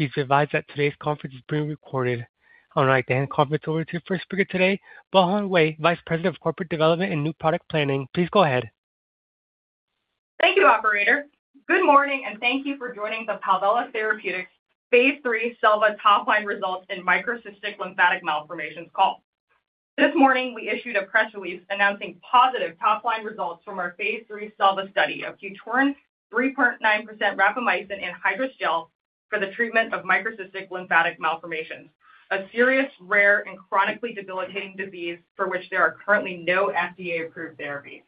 Please be advised that today's conference is being recorded. I'd like to hand the conference over to our first speaker today, Bohan Wei, Vice President of Corporate Development and New Product Planning. Please go ahead. Thank you, operator. Good morning, and thank you for joining the Palvella Therapeutics phase III SELVA top-line results in microcystic lymphatic malformations call. This morning, we issued a press release announcing positive top-line results from our phase III SELVA study of QTORIN 3.9% rapamycin in hydrogel for the treatment of microcystic lymphatic malformations, a serious, rare, and chronically debilitating disease for which there are currently no FDA-approved therapies.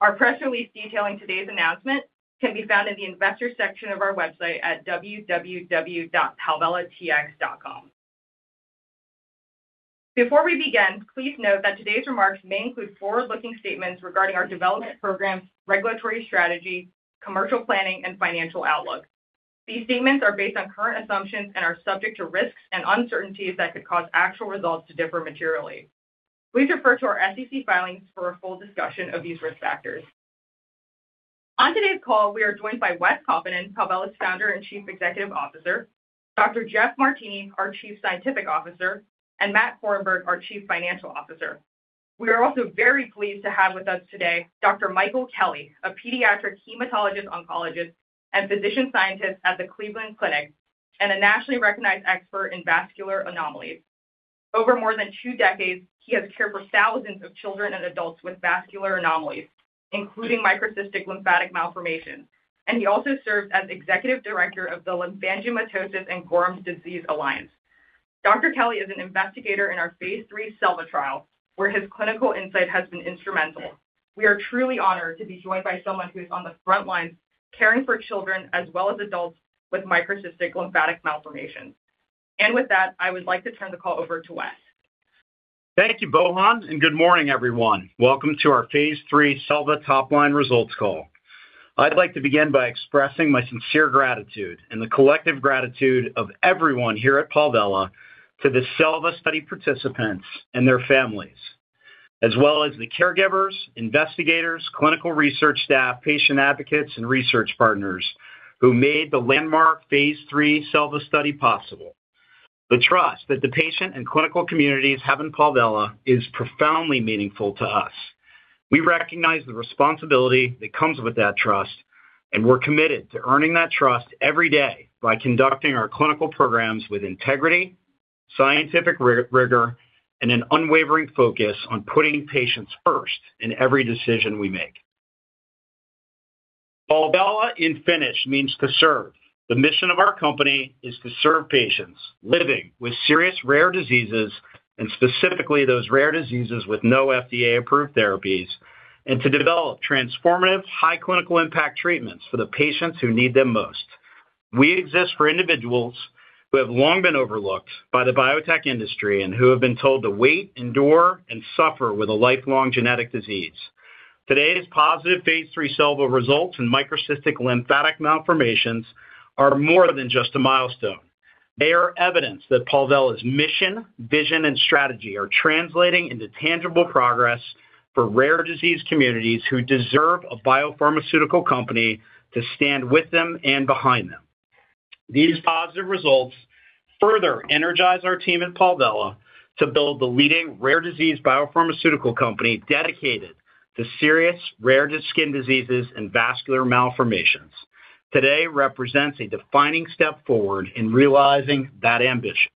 Our press release detailing today's announcement can be found in the investors section of our website at www.palvellatx.com. Before we begin, please note that today's remarks may include forward-looking statements regarding our development program, regulatory strategy, commercial planning, and financial outlook. These statements are based on current assumptions and are subject to risks and uncertainties that could cause actual results to differ materially. Please refer to our SEC filings for a full discussion of these risk factors. On today's call, we are joined by Wes Kaupinen, Palvella's Founder and Chief Executive Officer, Dr. Jeff Martini, our Chief Scientific Officer, and Matthew Korenberg, our Chief Financial Officer. We are also very pleased to have with us today Dr. Michael Kelly, a pediatric hematologist-oncologist and physician-scientist at the Cleveland Clinic and a nationally recognized expert in vascular anomalies. Over more than two decades, he has cared for thousands of children and adults with vascular anomalies, including microcystic lymphatic malformations, and he also serves as Executive Director of the Lymphangiomatosis & Gorham's Disease Alliance. Dr. Kelly is an investigator in our phase III SELVA trial, where his clinical insight has been instrumental. We are truly honored to be joined by someone who is on the front lines caring for children as well as adults with microcystic lymphatic malformations. With that, I would like to turn the call over to Wes. Thank you, Bohan. Good morning, everyone. Welcome to our phase III SELVA top-line results call. I'd like to begin by expressing my sincere gratitude and the collective gratitude of everyone here at Palvella to the SELVA study participants and their families, as well as the caregivers, investigators, clinical research staff, patient advocates, and research partners who made the landmark phase III SELVA study possible. The trust that the patient and clinical communities have in Palvella is profoundly meaningful to us. We recognize the responsibility that comes with that trust, and we're committed to earning that trust every day by conducting our clinical programs with integrity, scientific rigor, and an unwavering focus on putting patients first in every decision we make. Palvella in Finnish means to serve. The mission of our company is to serve patients living with serious rare diseases, and specifically those rare diseases with no FDA-approved therapies, and to develop transformative, high clinical impact treatments for the patients who need them most. We exist for individuals who have long been overlooked by the biotech industry and who have been told to wait, endure, and suffer with a lifelong genetic disease. Today's positive phase III SELVA results in microcystic lymphatic malformations are more than just a milestone. They are evidence that Palvella's mission, vision, and strategy are translating into tangible progress for rare disease communities who deserve a biopharmaceutical company to stand with them and behind them. These positive results further energize our team at Palvella to build the leading rare disease biopharmaceutical company dedicated to serious rare skin diseases and vascular malformations. Today represents a defining step forward in realizing that ambition.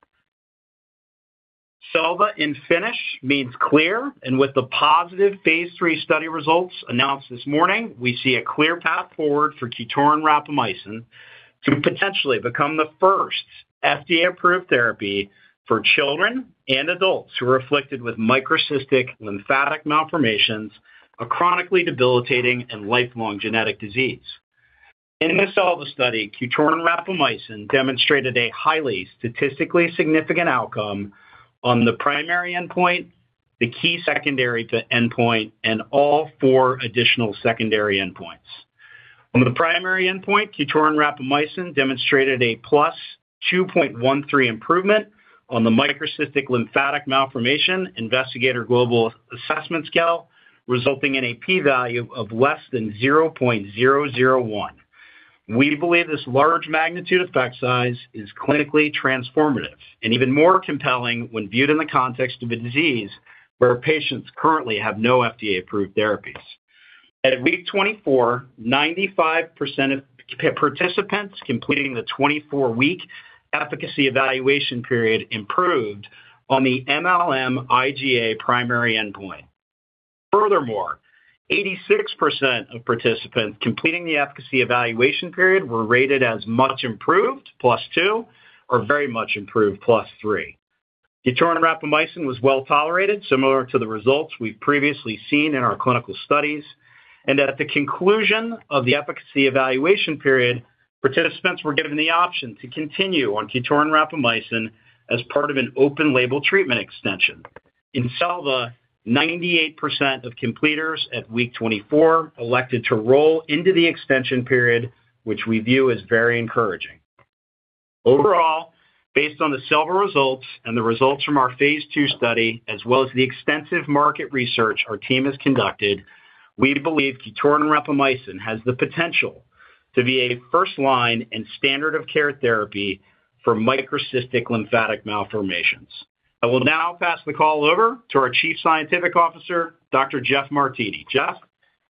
SELVA in Finnish means clear, and with the positive phase III study results announced this morning, we see a clear path forward for QTORIN rapamycin to potentially become the first FDA-approved therapy for children and adults who are afflicted with microcystic lymphatic malformations, a chronically debilitating and lifelong genetic disease. In this SELVA study, QTORIN rapamycin demonstrated a highly statistically significant outcome on the primary endpoint, the key secondary to endpoint, and all four additional secondary endpoints. On the primary endpoint, QTORIN rapamycin demonstrated a +2.13 improvement on the microcystic lymphatic malformation Investigator Global Assessment Scale, resulting in a p-value of less than 0.001. We believe this large magnitude effect size is clinically transformative and even more compelling when viewed in the context of a disease where patients currently have no FDA-approved therapies. At week 24, 95% of participants completing the 24-week efficacy evaluation period improved on the mLM-IGA primary endpoint. 86% of participants completing the efficacy evaluation period were rated as much improved, plus two, or very much improved, plus three. QTORIN rapamycin was well-tolerated, similar to the results we've previously seen in our clinical studies. At the conclusion of the efficacy evaluation period, participants were given the option to continue on QTORIN rapamycin as part of an open-label treatment extension. In SELVA, 98% of completers at week 24 elected to roll into the extension period, which we view as very encouraging. Based on the SELVA results and the results from our phase II study, as well as the extensive market research our team has conducted, we believe QTORIN rapamycin has the potential to be a first-line and standard of care therapy for microcystic lymphatic malformations. I will now pass the call over to our Chief Scientific Officer, Dr. Jeff Martini. Jeff?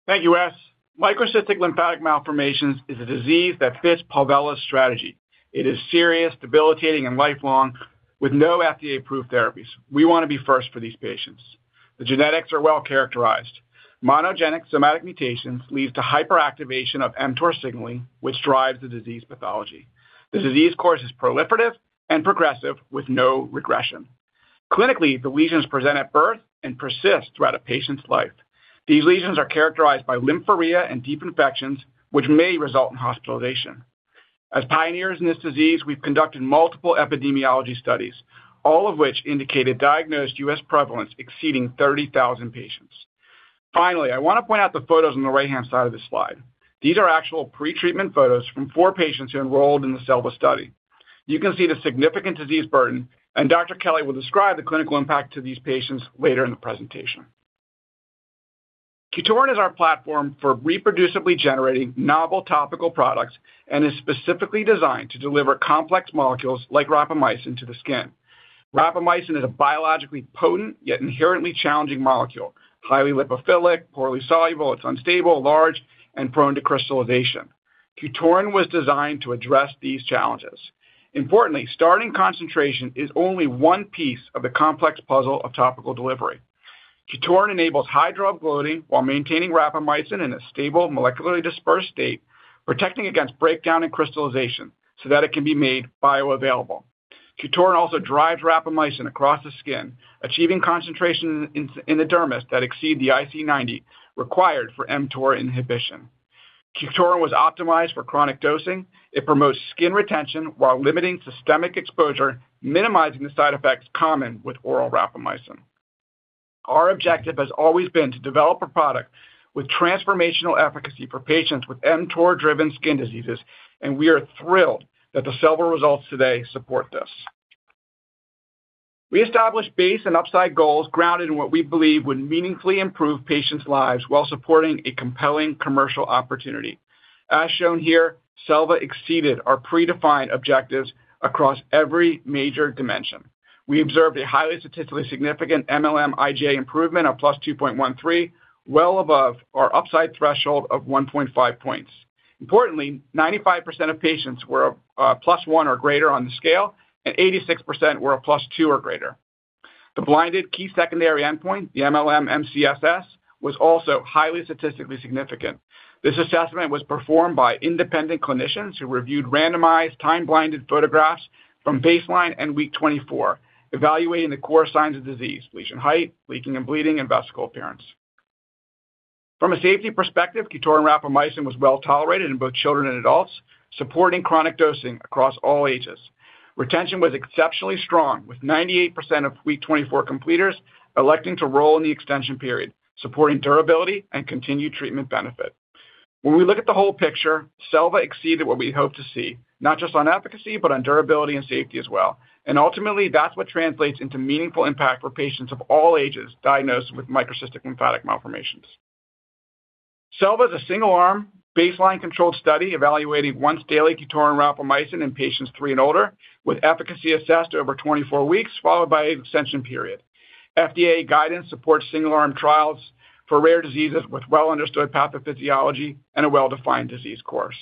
Thank you, Wes. Microcystic lymphatic malformations is a disease that fits Palvella's strategy. It is serious, debilitating, and lifelong, with no FDA-approved therapies. We want to be first for these patients. The genetics are well characterized. Monogenic somatic mutations lead to hyperactivation of mTOR signaling, which drives the disease pathology. The disease course is proliferative and progressive with no regression. Clinically, the lesions present at birth and persist throughout a patient's life. These lesions are characterized by lymphorrhea and deep infections, which may result in hospitalization. As pioneers in this disease, we've conducted multiple epidemiology studies, all of which indicated diagnosed U.S. prevalence exceeding 30,000 patients. I want to point out the photos on the right-hand side of this slide. These are actual pre-treatment photos from four patients who enrolled in the SELVA study. You can see the significant disease burden, and Dr. Kelly will describe the clinical impact to these patients later in the presentation. QTORIN is our platform for reproducibly generating novel topical products and is specifically designed to deliver complex molecules like rapamycin to the skin. Rapamycin is a biologically potent yet inherently challenging molecule, highly lipophilic, poorly soluble, it's unstable, large, and prone to crystallization. QTORIN was designed to address these challenges. Importantly, starting concentration is only one piece of the complex puzzle of topical delivery. QTORIN enables hydro uploading while maintaining rapamycin in a stable, molecularly dispersed state, protecting against breakdown and crystallization so that it can be made bioavailable. QTORIN also drives rapamycin across the skin, achieving concentration in the dermis that exceed the IC90 required for mTOR inhibition. QTORIN was optimized for chronic dosing. It promotes skin retention while limiting systemic exposure, minimizing the side effects common with oral rapamycin. Our objective has always been to develop a product with transformational efficacy for patients with mTOR-driven skin diseases. We are thrilled that the SELVA results today support this. We established base and upside goals grounded in what we believe would meaningfully improve patients' lives while supporting a compelling commercial opportunity. As shown here, SELVA exceeded our predefined objectives across every major dimension. We observed a highly statistically significant mLM-IGA improvement of +2.13, well above our upside threshold of 1.5 points. Importantly, 95% of patients were plus one or greater on the scale. 86% were a plus two or greater. The blinded key secondary endpoint, the mLM-MCSS, was also highly statistically significant. This assessment was performed by independent clinicians who reviewed randomized, time-blinded photographs from baseline and week 24, evaluating the core signs of disease, lesion height, leaking and bleeding, and vesicle appearance. From a safety perspective, QTORIN rapamycin was well tolerated in both children and adults, supporting chronic dosing across all ages. Retention was exceptionally strong, with 98% of week 24 completers electing to roll in the extension period, supporting durability and continued treatment benefit. When we look at the whole picture, SELVA exceeded what we hoped to see, not just on efficacy, but on durability and safety as well. Ultimately, that's what translates into meaningful impact for patients of all ages diagnosed with microcystic lymphatic malformations. SELVA is a single-arm, baseline-controlled study evaluating once-daily QTORIN rapamycin in patients three and older, with efficacy assessed over 24 weeks, followed by an extension period. FDA guidance supports single-arm trials for rare diseases with well-understood pathophysiology and a well-defined disease course.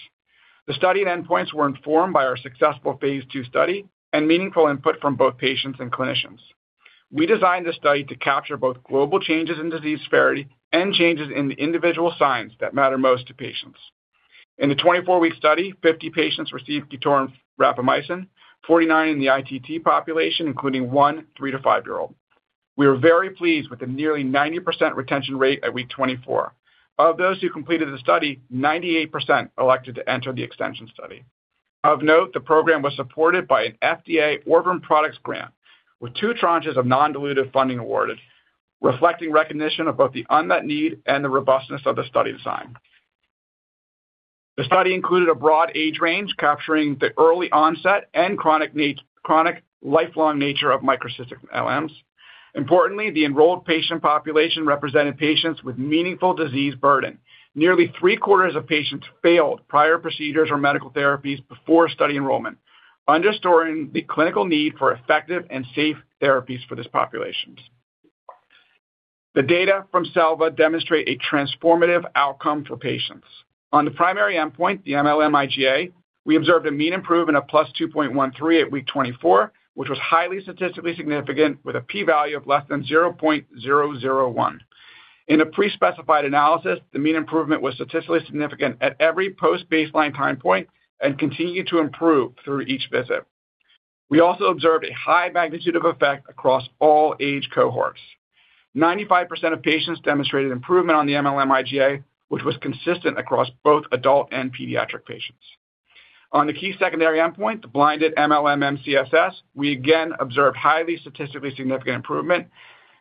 The study and endpoints were informed by our successful phase II study and meaningful input from both patients and clinicians. We designed the study to capture both global changes in disease severity and changes in the individual signs that matter most to patients. In the 24-week study, 50 patients received QTORIN rapamycin, 49 in the ITT population, including one- three- to five-year-old. We are very pleased with the nearly 90% retention rate at week 24. Of those who completed the study, 98% elected to enter the extension study. Of note, the program was supported by an FDA Orphan Products Grant, with two tranches of non-dilutive funding awarded, reflecting recognition of both the unmet need and the robustness of the study design. The study included a broad age range, capturing the early onset and chronic lifelong nature of microcystic LMs. Importantly, the enrolled patient population represented patients with meaningful disease burden. Nearly three-quarters of patients failed prior procedures or medical therapies before study enrollment, underscoring the clinical need for effective and safe therapies for this population. The data from SELVA demonstrate a transformative outcome for patients. On the primary endpoint, the mLM-IGA, we observed a mean improvement of +2.13 at week 24, which was highly statistically significant, with a p-value of less than 0.001. In a pre-specified analysis, the mean improvement was statistically significant at every post-baseline time point and continued to improve through each visit. We also observed a high magnitude of effect across all age cohorts. 95% of patients demonstrated improvement on the mLM-IGA, which was consistent across both adult and pediatric patients. On the key secondary endpoint, the blinded mLM-MCSS, we again observed highly statistically significant improvement.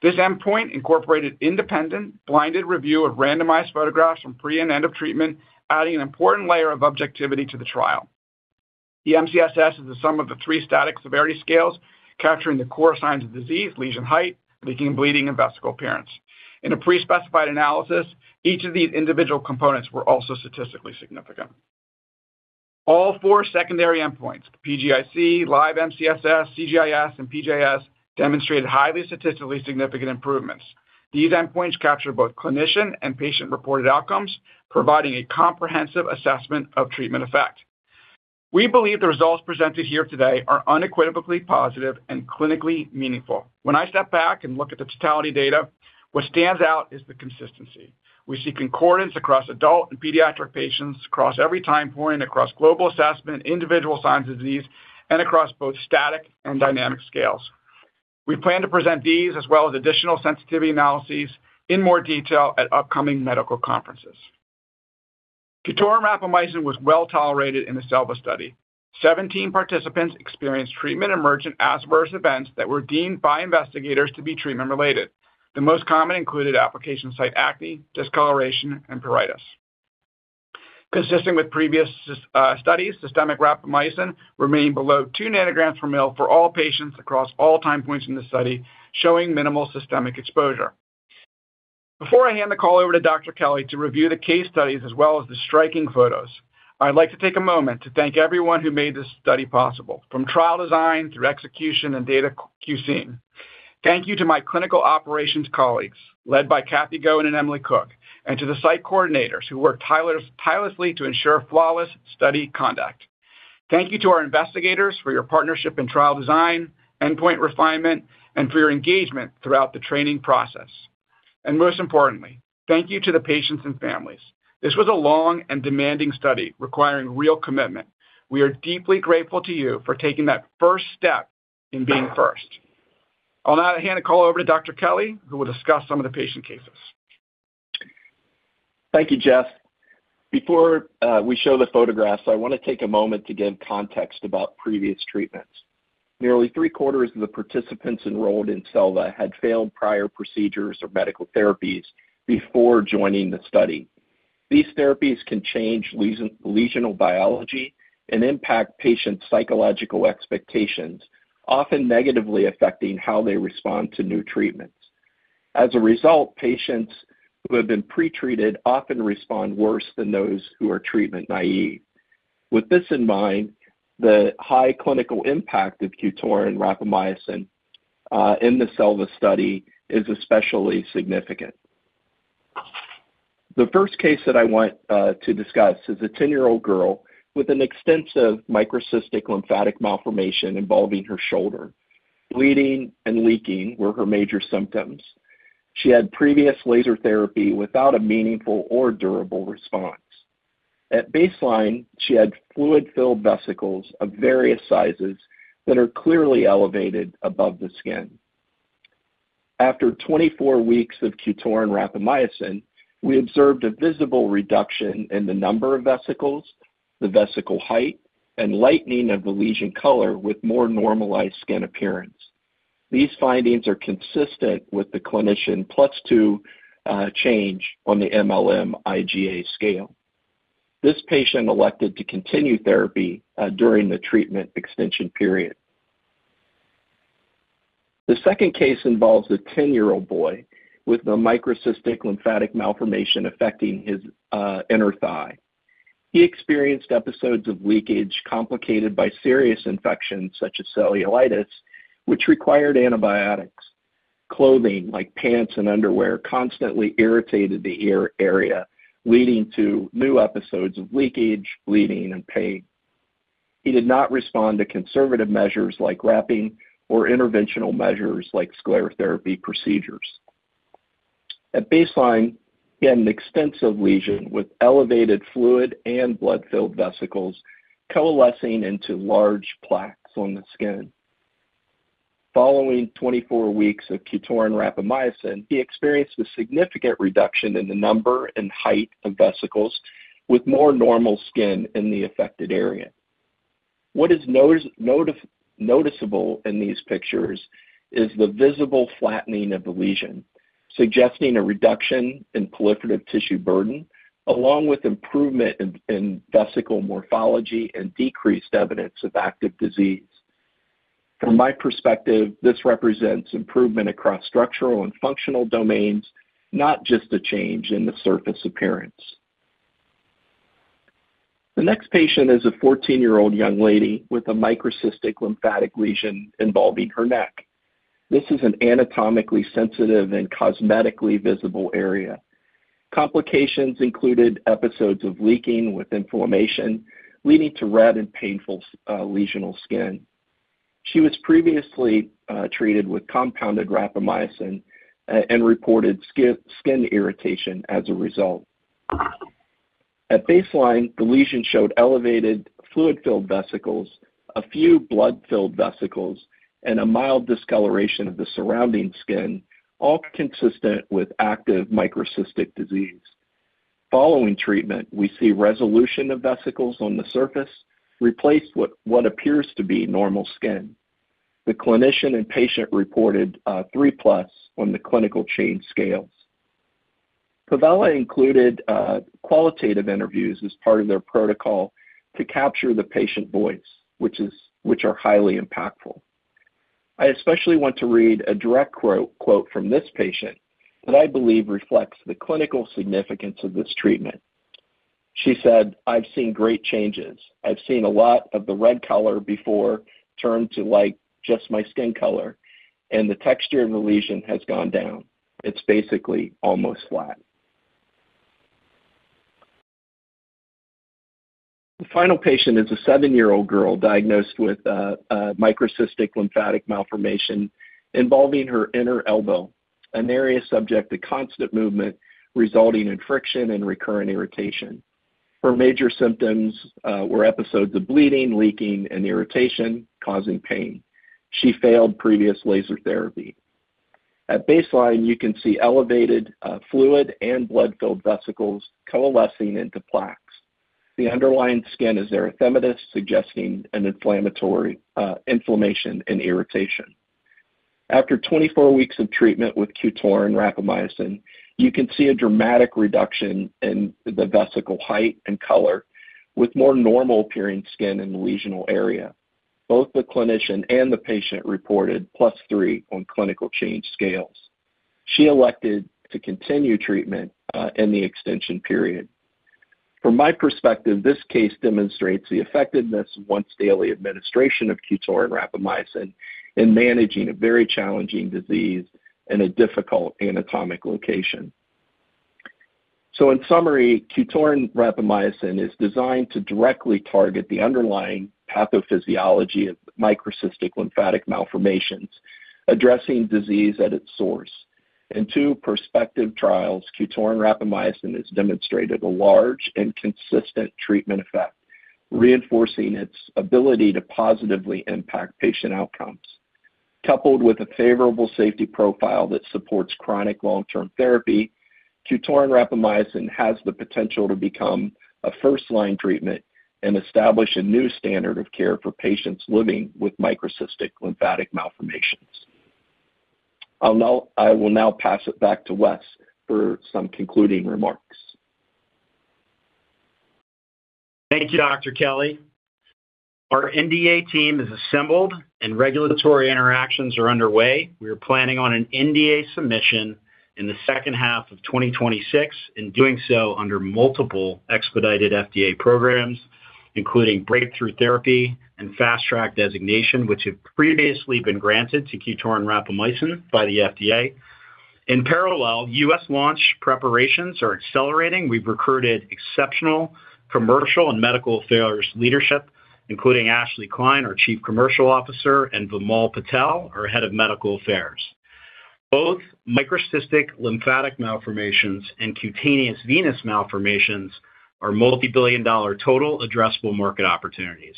This endpoint incorporated independent, blinded review of randomized photographs from pre and end of treatment, adding an important layer of objectivity to the trial. The MCSS is the sum of the three static severity scales, capturing the core signs of disease, lesion height, leaking and bleeding, and vesicle appearance. In a pre-specified analysis, each of these individual components were also statistically significant. All four secondary endpoints, PGIC, Live MCSS, CGIS, and PJS, demonstrated highly statistically significant improvements. These endpoints capture both clinician and patient-reported outcomes, providing a comprehensive assessment of treatment effect. We believe the results presented here today are unequivocally positive and clinically meaningful. When I step back and look at the totality data, what stands out is the consistency. We see concordance across adult and pediatric patients, across every time point, across global assessment, individual signs of disease, and across both static and dynamic scales. We plan to present these, as well as additional sensitivity analyses in more detail at upcoming medical conferences. QTORIN rapamycin was well tolerated in the SELVA study. 17 participants experienced treatment-emergent adverse events that were deemed by investigators to be treatment-related. The most common included application site acne, discoloration, and pruritus. Consistent with previous studies, systemic rapamycin remained below two nanograms per mL for all patients across all time points in the study, showing minimal systemic exposure. Before I hand the call over to Dr. Kelly to review the case studies as well as the striking photos, I'd like to take a moment to thank everyone who made this study possible, from trial design through execution and data QC. Thank you to my clinical operations colleagues, led by Kathy Goin and Emily Cook, and to the site coordinators who worked tirelessly to ensure flawless study conduct. Thank you to our investigators for your partnership in trial design, endpoint refinement, and for your engagement throughout the training process. Most importantly, thank you to the patients and families. This was a long and demanding study requiring real commitment. We are deeply grateful to you for taking that first step in being first. I'll now hand the call over to Dr. Kelly, who will discuss some of the patient cases. Thank you, Jeff. Before we show the photographs, I want to take a moment to give context about previous treatments. Nearly three-quarters of the participants enrolled in SELVA had failed prior procedures or medical therapies before joining the study. These therapies can change lesional biology and impact patients' psychological expectations, often negatively affecting how they respond to new treatments. As a result, patients who have been pretreated often respond worse than those who are treatment naive. With this in mind, the high clinical impact of QTORIN rapamycin in the SELVA study is especially significant. The first case that I want to discuss is a 10-year-old girl with an extensive microcystic lymphatic malformation involving her shoulder. Bleeding and leaking were her major symptoms. She had previous laser therapy without a meaningful or durable response. At baseline, she had fluid-filled vesicles of various sizes that are clearly elevated above the skin. After 24 weeks of QTORIN rapamycin, we observed a visible reduction in the number of vesicles, the vesicle height, and lightening of the lesion color with more normalized skin appearance. These findings are consistent with the clinician plus two change on the mLM-IGA scale. This patient elected to continue therapy during the treatment extension period. The second case involves a 10-year-old boy with a microcystic lymphatic malformation affecting his inner thigh. He experienced episodes of leakage complicated by serious infections such as cellulitis, which required antibiotics. Clothing, like pants and underwear, constantly irritated the area, leading to new episodes of leakage, bleeding, and pain. He did not respond to conservative measures like wrapping or interventional measures like sclerotherapy procedures. At baseline, he had an extensive lesion with elevated fluid and blood-filled vesicles coalescing into large plaques on the skin. Following 24 weeks of QTORIN rapamycin, he experienced a significant reduction in the number and height of vesicles, with more normal skin in the affected area. What is noticeable in these pictures is the visible flattening of the lesion, suggesting a reduction in proliferative tissue burden, along with improvement in vesicle morphology and decreased evidence of active disease. From my perspective, this represents improvement across structural and functional domains, not just a change in the surface appearance. The next patient is a 14-year-old young lady with a microcystic lymphatic lesion involving her neck. This is an anatomically sensitive and cosmetically visible area. Complications included episodes of leaking with inflammation, leading to red and painful lesional skin. She was previously treated with compounded rapamycin and reported skin irritation as a result. At baseline, the lesion showed elevated fluid-filled vesicles, a few blood-filled vesicles, and a mild discoloration of the surrounding skin, all consistent with active microcystic disease. Following treatment, we see resolution of vesicles on the surface, replaced with what appears to be normal skin. The clinician and patient reported three plus on the clinical change scales. Palvella included qualitative interviews as part of their protocol to capture the patient voice, which are highly impactful. I especially want to read a direct quote from this patient, that I believe reflects the clinical significance of this treatment. She said, "I've seen great changes. I've seen a lot of the red color before turn to, like, just my skin color, and the texture of the lesion has gone down. It's basically almost flat." The final patient is a seven-year-old girl diagnosed with a microcystic lymphatic malformation involving her inner elbow, an area subject to constant movement, resulting in friction and recurrent irritation. Her major symptoms were episodes of bleeding, leaking, and irritation, causing pain. She failed previous laser therapy. At baseline, you can see elevated fluid and blood-filled vesicles coalescing into plaques. The underlying skin is erythematous, suggesting an inflammatory inflammation and irritation. After 24 weeks of treatment with QTORIN rapamycin, you can see a dramatic reduction in the vesicle height and color, with more normal-appearing skin in the lesional area. Both the clinician and the patient reported plus three on clinical change scales. She elected to continue treatment in the extension period. From my perspective, this case demonstrates the effectiveness of once-daily administration of QTORIN rapamycin in managing a very challenging disease in a difficult anatomic location. In summary, QTORIN rapamycin is designed to directly target the underlying pathophysiology of microcystic lymphatic malformations, addressing disease at its source. In two prospective trials, QTORIN rapamycin has demonstrated a large and consistent treatment effect, reinforcing its ability to positively impact patient outcomes. Coupled with a favorable safety profile that supports chronic long-term therapy, QTORIN rapamycin has the potential to become a first-line treatment and establish a new standard of care for patients living with microcystic lymphatic malformations. I will now pass it back to Wes for some concluding remarks. Thank you, Dr. Kelly. Our NDA team is assembled, regulatory interactions are underway. We are planning on an NDA submission in the second half of 2026, doing so under multiple expedited FDA programs, including Breakthrough Therapy and Fast Track designation, which have previously been granted to QTORIN rapamycin by the FDA. In parallel, U.S. launch preparations are accelerating. We've recruited exceptional commercial and medical affairs leadership, including Ashley Kline, our Chief Commercial Officer, and Vimal Patel, our Head of Medical Affairs. Both microcystic lymphatic malformations and cutaneous venous malformations are multi-billion dollar total addressable market opportunities.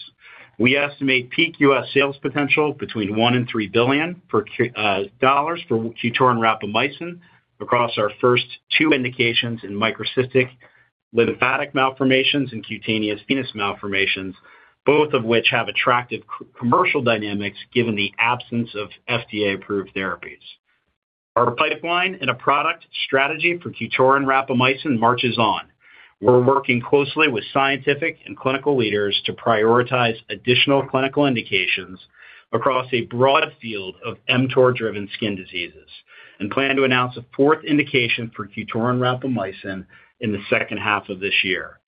We estimate peak U.S. sales potential between $1 billion-$3 billion dollars for QTORIN rapamycin across our first two indications in microcystic lymphatic malformations and cutaneous venous malformations, both of which have attractive commercial dynamics, given the absence of FDA-approved therapies. Our pipeline and a product strategy for QTORIN rapamycin marches on. We're working closely with scientific and clinical leaders to prioritize additional clinical indications across a broad field of mTOR-driven skin diseases, plan to announce a fourth indication for QTORIN rapamycin in the second half of this year.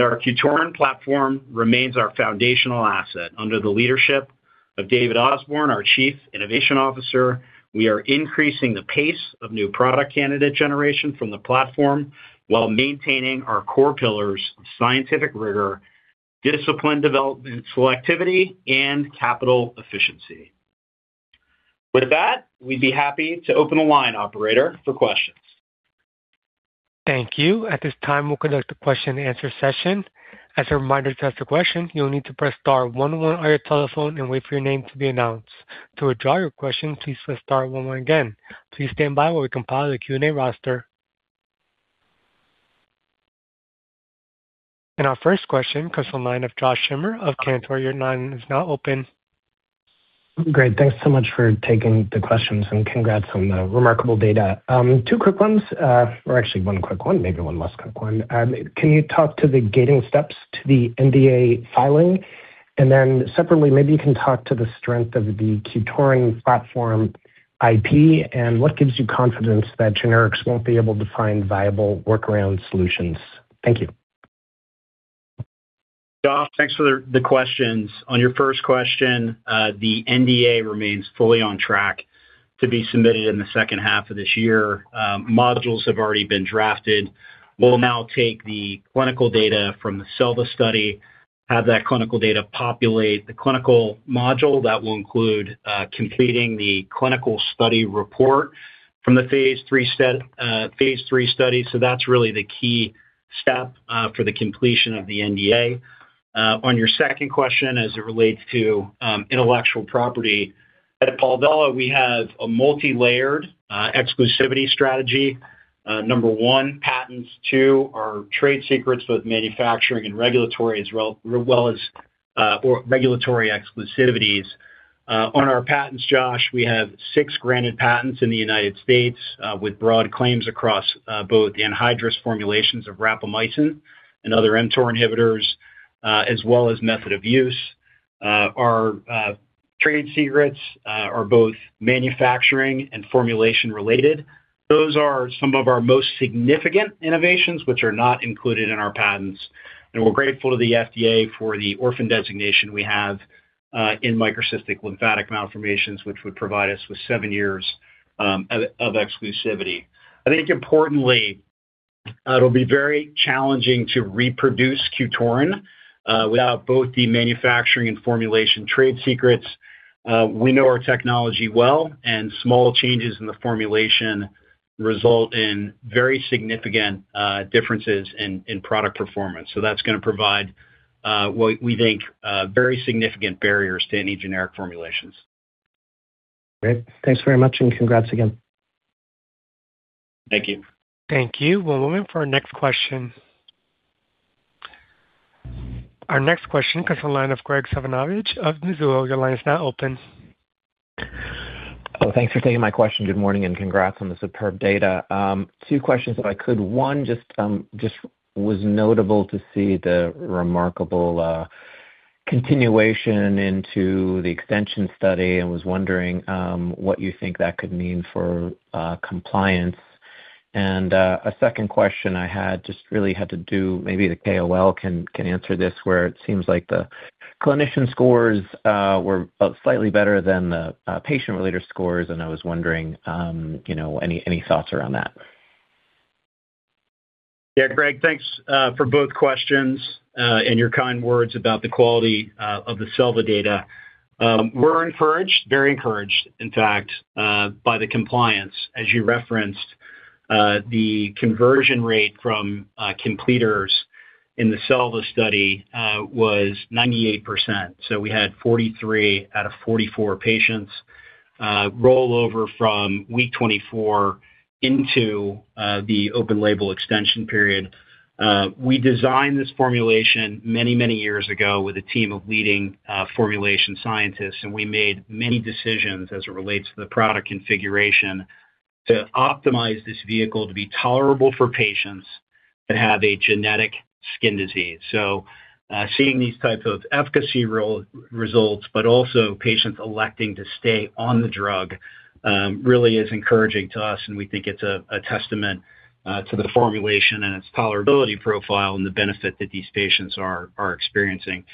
Our QTORIN platform remains our foundational asset. Under the leadership of David Osborne, our Chief Innovation Officer, we are increasing the pace of new product candidate generation from the platform while maintaining our core pillars of scientific rigor, discipline, development, selectivity, and capital efficiency. With that, we'd be happy to open the line, operator, for questions. Thank you. At this time, we'll conduct a question-and-answer session. As a reminder, to ask a question, you'll need to press star one one on your telephone and wait for your name to be announced. To withdraw your question, please press star one one again. Please stand by while we compile the Q&A roster. Our first question comes from the line of Josh Schimmer of Cantor. Your line is now open. Great. Thanks so much for taking the questions, and congrats on the remarkable data. Two quick ones, or actually one quick one, maybe one less quick one. Can you talk to the gating steps to the NDA filing? Separately, maybe you can talk to the strength of the QTORIN platform IP, and what gives you confidence that generics won't be able to find viable workaround solutions? Thank you. Josh, thanks for the questions. On your first question, the NDA remains fully on track to be submitted in the second half of this year. Modules have already been drafted. We'll now take the clinical data from the SELVA study, have that clinical data populate the clinical module. That will include completing the clinical study report from the phase III study. That's really the key step for the completion of the NDA. On your second question, as it relates to intellectual property. At Palvella, we have a multilayered exclusivity strategy. Number one, patents. Two, our trade secrets, both manufacturing and regulatory, as well as or regulatory exclusivities. On our patents, Josh, we have six granted patents in the United States, with broad claims across both the anhydrous formulations of rapamycin and other mTOR inhibitors, as well as method of use. Our trade secrets are both manufacturing and formulation related. Those are some of our most significant innovations, which are not included in our patents, and we're grateful to the FDA for the orphan designation we have in microcystic lymphatic malformations, which would provide us with seven years of exclusivity. I think importantly, it'll be very challenging to reproduce QTORIN without both the manufacturing and formulation trade secrets. We know our technology well, and small changes in the formulation result in very significant differences in product performance. That's gonna provide what we think very significant barriers to any generic formulations. Great. Thanks very much, and congrats again. Thank you. Thank you. We'll move in for our next question. Our next question comes from the line of Graig Suvannavejh of Mizuho. Your line is now open. Thanks for taking my question. Good morning, and congrats on the superb data. Two questions, if I could. One, just was notable to see the remarkable continuation into the extension study and was wondering what you think that could mean for compliance. A second question I had just really had to do, maybe the KOL can answer this, where it seems like the clinician scores were slightly better than the patient-related scores, and I was wondering, you know, any thoughts around that? Yeah, Graig, thanks for both questions and your kind words about the quality of the SELVA data. We're encouraged, very encouraged, in fact, by the compliance. As you referenced, the conversion rate from completers in the SELVA study was 98%. We had 43 out of 44 patients roll over from week 24 into the open label extension period. We designed this formulation many years ago with a team of leading formulation scientists, and we made many decisions as it relates to the product configuration to optimize this vehicle to be tolerable for patients that have a genetic skin disease. Seeing these types of efficacy results, but also patients electing to stay on the drug, really is encouraging to us, and we think it's a testament to the formulation and its tolerability profile and the benefit that these patients are experiencing.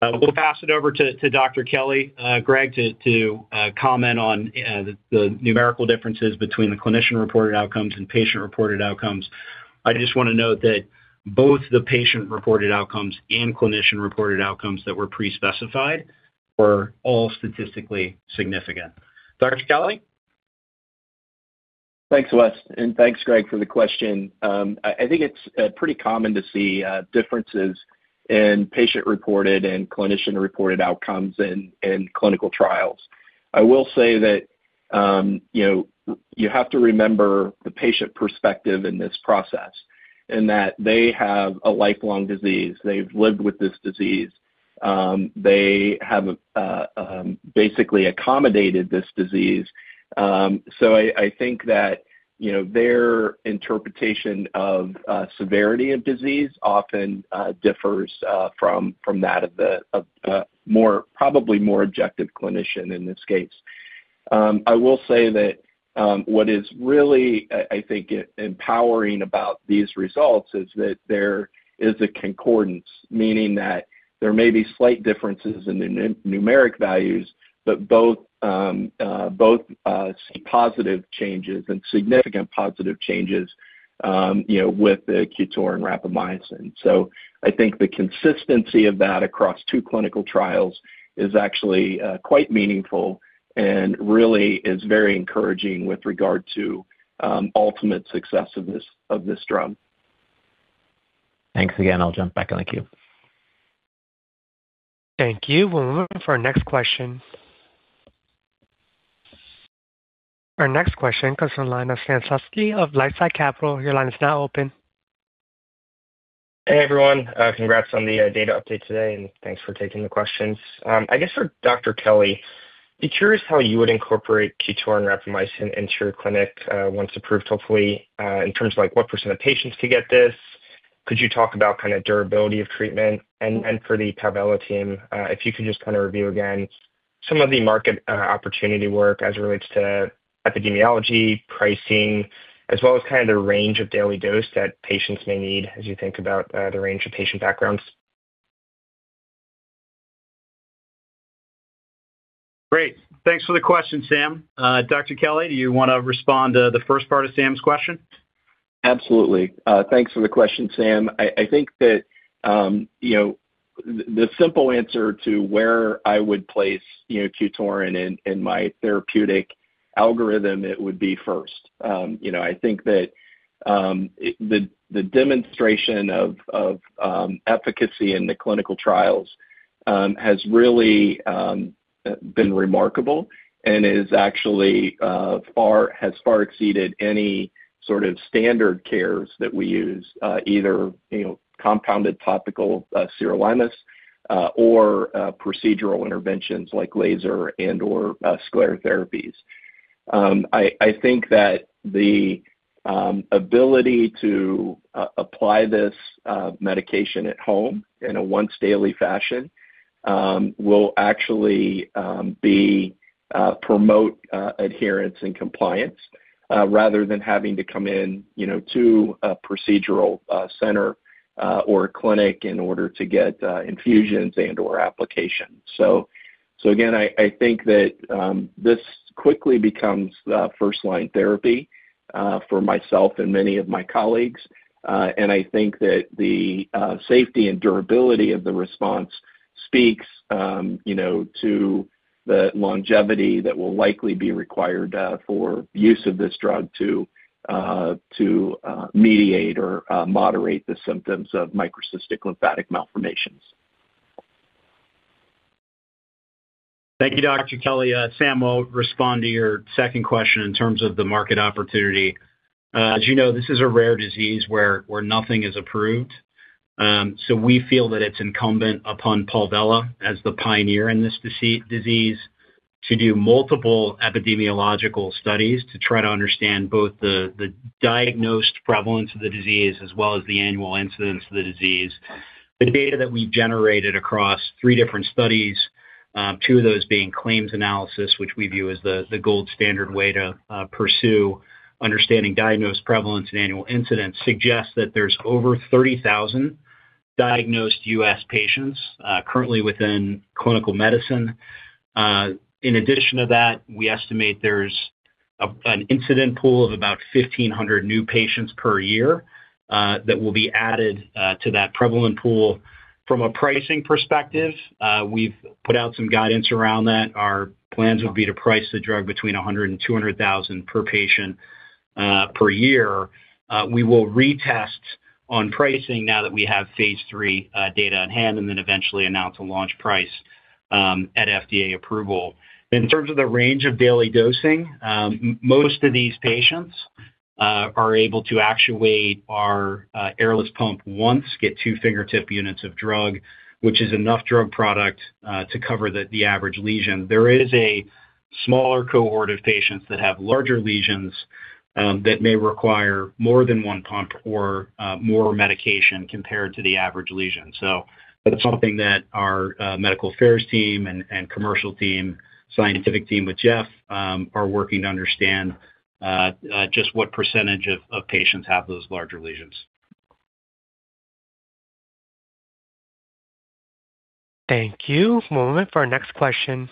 We'll pass it over to Dr. Kelly, Graig, to comment on the numerical differences between the clinician-reported outcomes and patient-reported outcomes. I just want to note that both the patient-reported outcomes and clinician-reported outcomes that were pre-specified were all statistically significant. Dr. Kelly? Thanks, Wes, and thanks, Graig, for the question. I think it's pretty common to see differences in patient-reported and clinician-reported outcomes in clinical trials. I will say that, you know, you have to remember the patient perspective in this process, and that they have a lifelong disease. They've lived with this disease. They have basically accommodated this disease. I think that, you know, their interpretation of severity of disease often differs from that of the more, probably more objective clinician in this case. I will say that, what is really, I think, empowering about these results is that there is a concordance, meaning that there may be slight differences in the numeric values, but both see positive changes and significant positive changes, you know, with the QTORIN rapamycin. I think the consistency of that across two clinical trials is actually, quite meaningful and really is very encouraging with regard to, ultimate success of this, of this drug. Thanks again. I'll jump back in the queue. Thank you. We'll move for our next question. Our next question comes from the line of Sam Slutsky of LifeSci Capital. Your line is now open. Hey, everyone, congrats on the data update today, and thanks for taking the questions. I guess for Dr. Kelly, be curious how you would incorporate QTORIN rapamycin into your clinic, once approved, hopefully, in terms of, like, what percentage of patients could get this. Could you talk about kind of durability of treatment? For the Palvella team, if you could just kind of review again some of the market, opportunity work as it relates to epidemiology, pricing, as well as kind of the range of daily dose that patients may need as you think about, the range of patient backgrounds? Great. Thanks for the question, Sam. Dr. Kelly, do you want to respond to the first part of Sam's question? Absolutely. Thanks for the question, Sam. I think that, you know, the simple answer to where I would place, you know, QTORIN in my therapeutic algorithm, it would be first. You know, I think that it, the demonstration of efficacy in the clinical trials has really been remarkable and is actually has far exceeded any sort of standard cares that we use, either, you know, compounded topical sirolimus, or procedural interventions like laser and/or sclerotherapies. I think that the ability to apply this medication at home in a once-daily fashion will actually promote adherence and compliance rather than having to come in, you know, to a procedural center or a clinic in order to get infusions and/or applications. Again, I think that this quickly becomes the first-line therapy for myself and many of my colleagues. I think that the safety and durability of the response speaks, you know, to the longevity that will likely be required for use of this drug to mediate or moderate the symptoms of microcystic lymphatic malformations. Thank you, Dr. Kelly. Sam will respond to your second question in terms of the market opportunity. As you know, this is a rare disease where nothing is approved. We feel that it's incumbent upon Palvella as the pioneer in this disease, to do multiple epidemiological studies to try to understand both the diagnosed prevalence of the disease as well as the annual incidence of the disease. The data that we generated across three different studies, two of those being claims analysis, which we view as the gold standard way to pursue understanding diagnosed prevalence and annual incidence, suggests that there's over 30,000 diagnosed U.S. patients currently within clinical medicine. In addition to that, we estimate there's an incident pool of about 1,500 new patients per year that will be added to that prevalent pool. From a pricing perspective, we've put out some guidance around that. Our plans would be to price the drug between $100,000-$200,000 per patient per year. We will retest on pricing now that we have phase III data on hand, and then eventually announce a launch price at FDA approval. In terms of the range of daily dosing, most of these patients are able to actuate our airless pump once, get two fingertip unit of drug, which is enough drug product to cover the average lesion. There is a smaller cohort of patients that have larger lesions, that may require more than one pump or more medication compared to the average lesion. That's something that our Medical Affairs team and Commercial team, Scientific team with Jeff Martini, are working to understand, just what percentage of patients have those larger lesions. Thank you. One moment for our next question.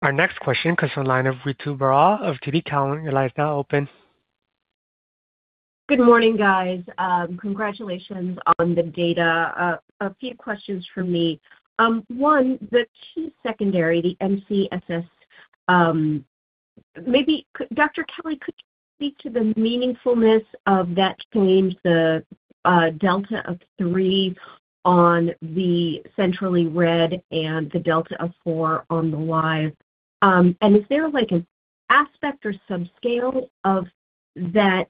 Our next question comes from the line of Ritu Baral of TD Cowen. Your line is now open. Good morning, guys. Congratulations on the data. A few questions from me. One, the key secondary, the MCSS, Could, Dr. Kelly, could you speak to the meaningfulness of that change, the, delta of three on the centrally read and the delta of four on the live? Is there, like, an aspect or subscale of that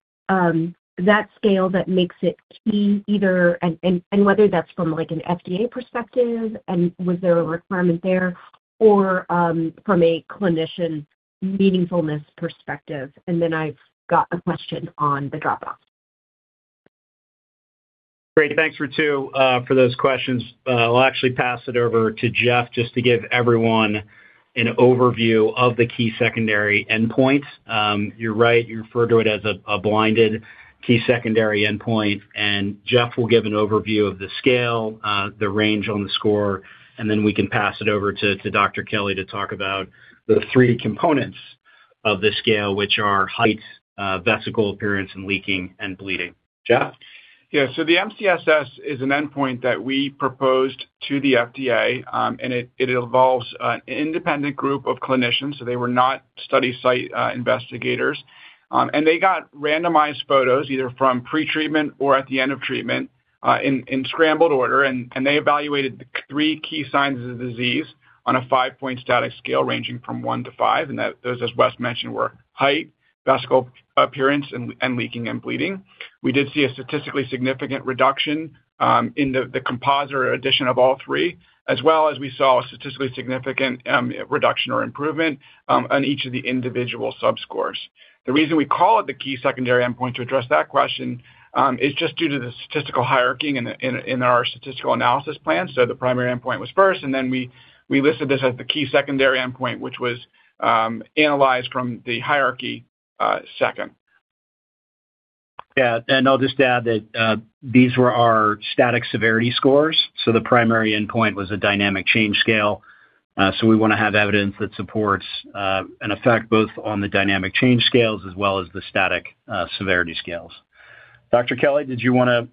scale that makes it key either? Whether that's from, like, an FDA perspective, and was there a requirement there, or, from a clinician meaningfulness perspective? Then I've got a question on the dropout. Great. Thanks, Ritu, for those questions. I'll actually pass it over to Jeff just to give everyone an overview of the key secondary endpoints. You're right, you refer to it as a blinded key secondary endpoint, and Jeff will give an overview of the scale, the range on the score, and then we can pass it over to Dr. Kelly to talk about the three components of the scale, which are height, vesicle appearance, and leaking and bleeding. Jeff? The MCSS is an endpoint that we proposed to the FDA, and it involves an independent group of clinicians, so they were not study site investigators. They got randomized photos, either from pretreatment or at the end of treatment, in scrambled order, and they evaluated the three key signs of the disease on a five-point static scale ranging from one to five, and those, as Wes mentioned, were height, vesicle appearance, and leaking and bleeding. We did see a statistically significant reduction in the composite or addition of all three, as well as we saw a statistically significant reduction or improvement on each of the individual subscores. The reason we call it the key secondary endpoint, to address that question, is just due to the statistical hierarchy in our statistical analysis plan. The primary endpoint was first, and then we listed this as the key secondary endpoint, which was analyzed from the hierarchy, second. I'll just add that these were our static severity scores. The primary endpoint was a dynamic change scale. We want to have evidence that supports an effect both on the dynamic change scales as well as the static severity scales. Dr. Kelly, did you wanna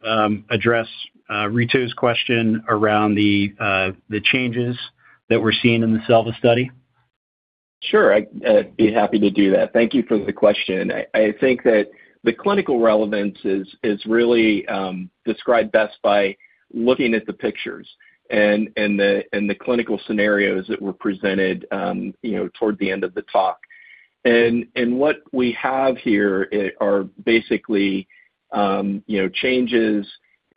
address Ritu's question around the changes that we're seeing in the SELVA study? Sure, I'd be happy to do that. Thank you for the question. I think that the clinical relevance is really described best by looking at the pictures and the clinical scenarios that were presented, you know, toward the end of the talk. What we have here are basically, you know, changes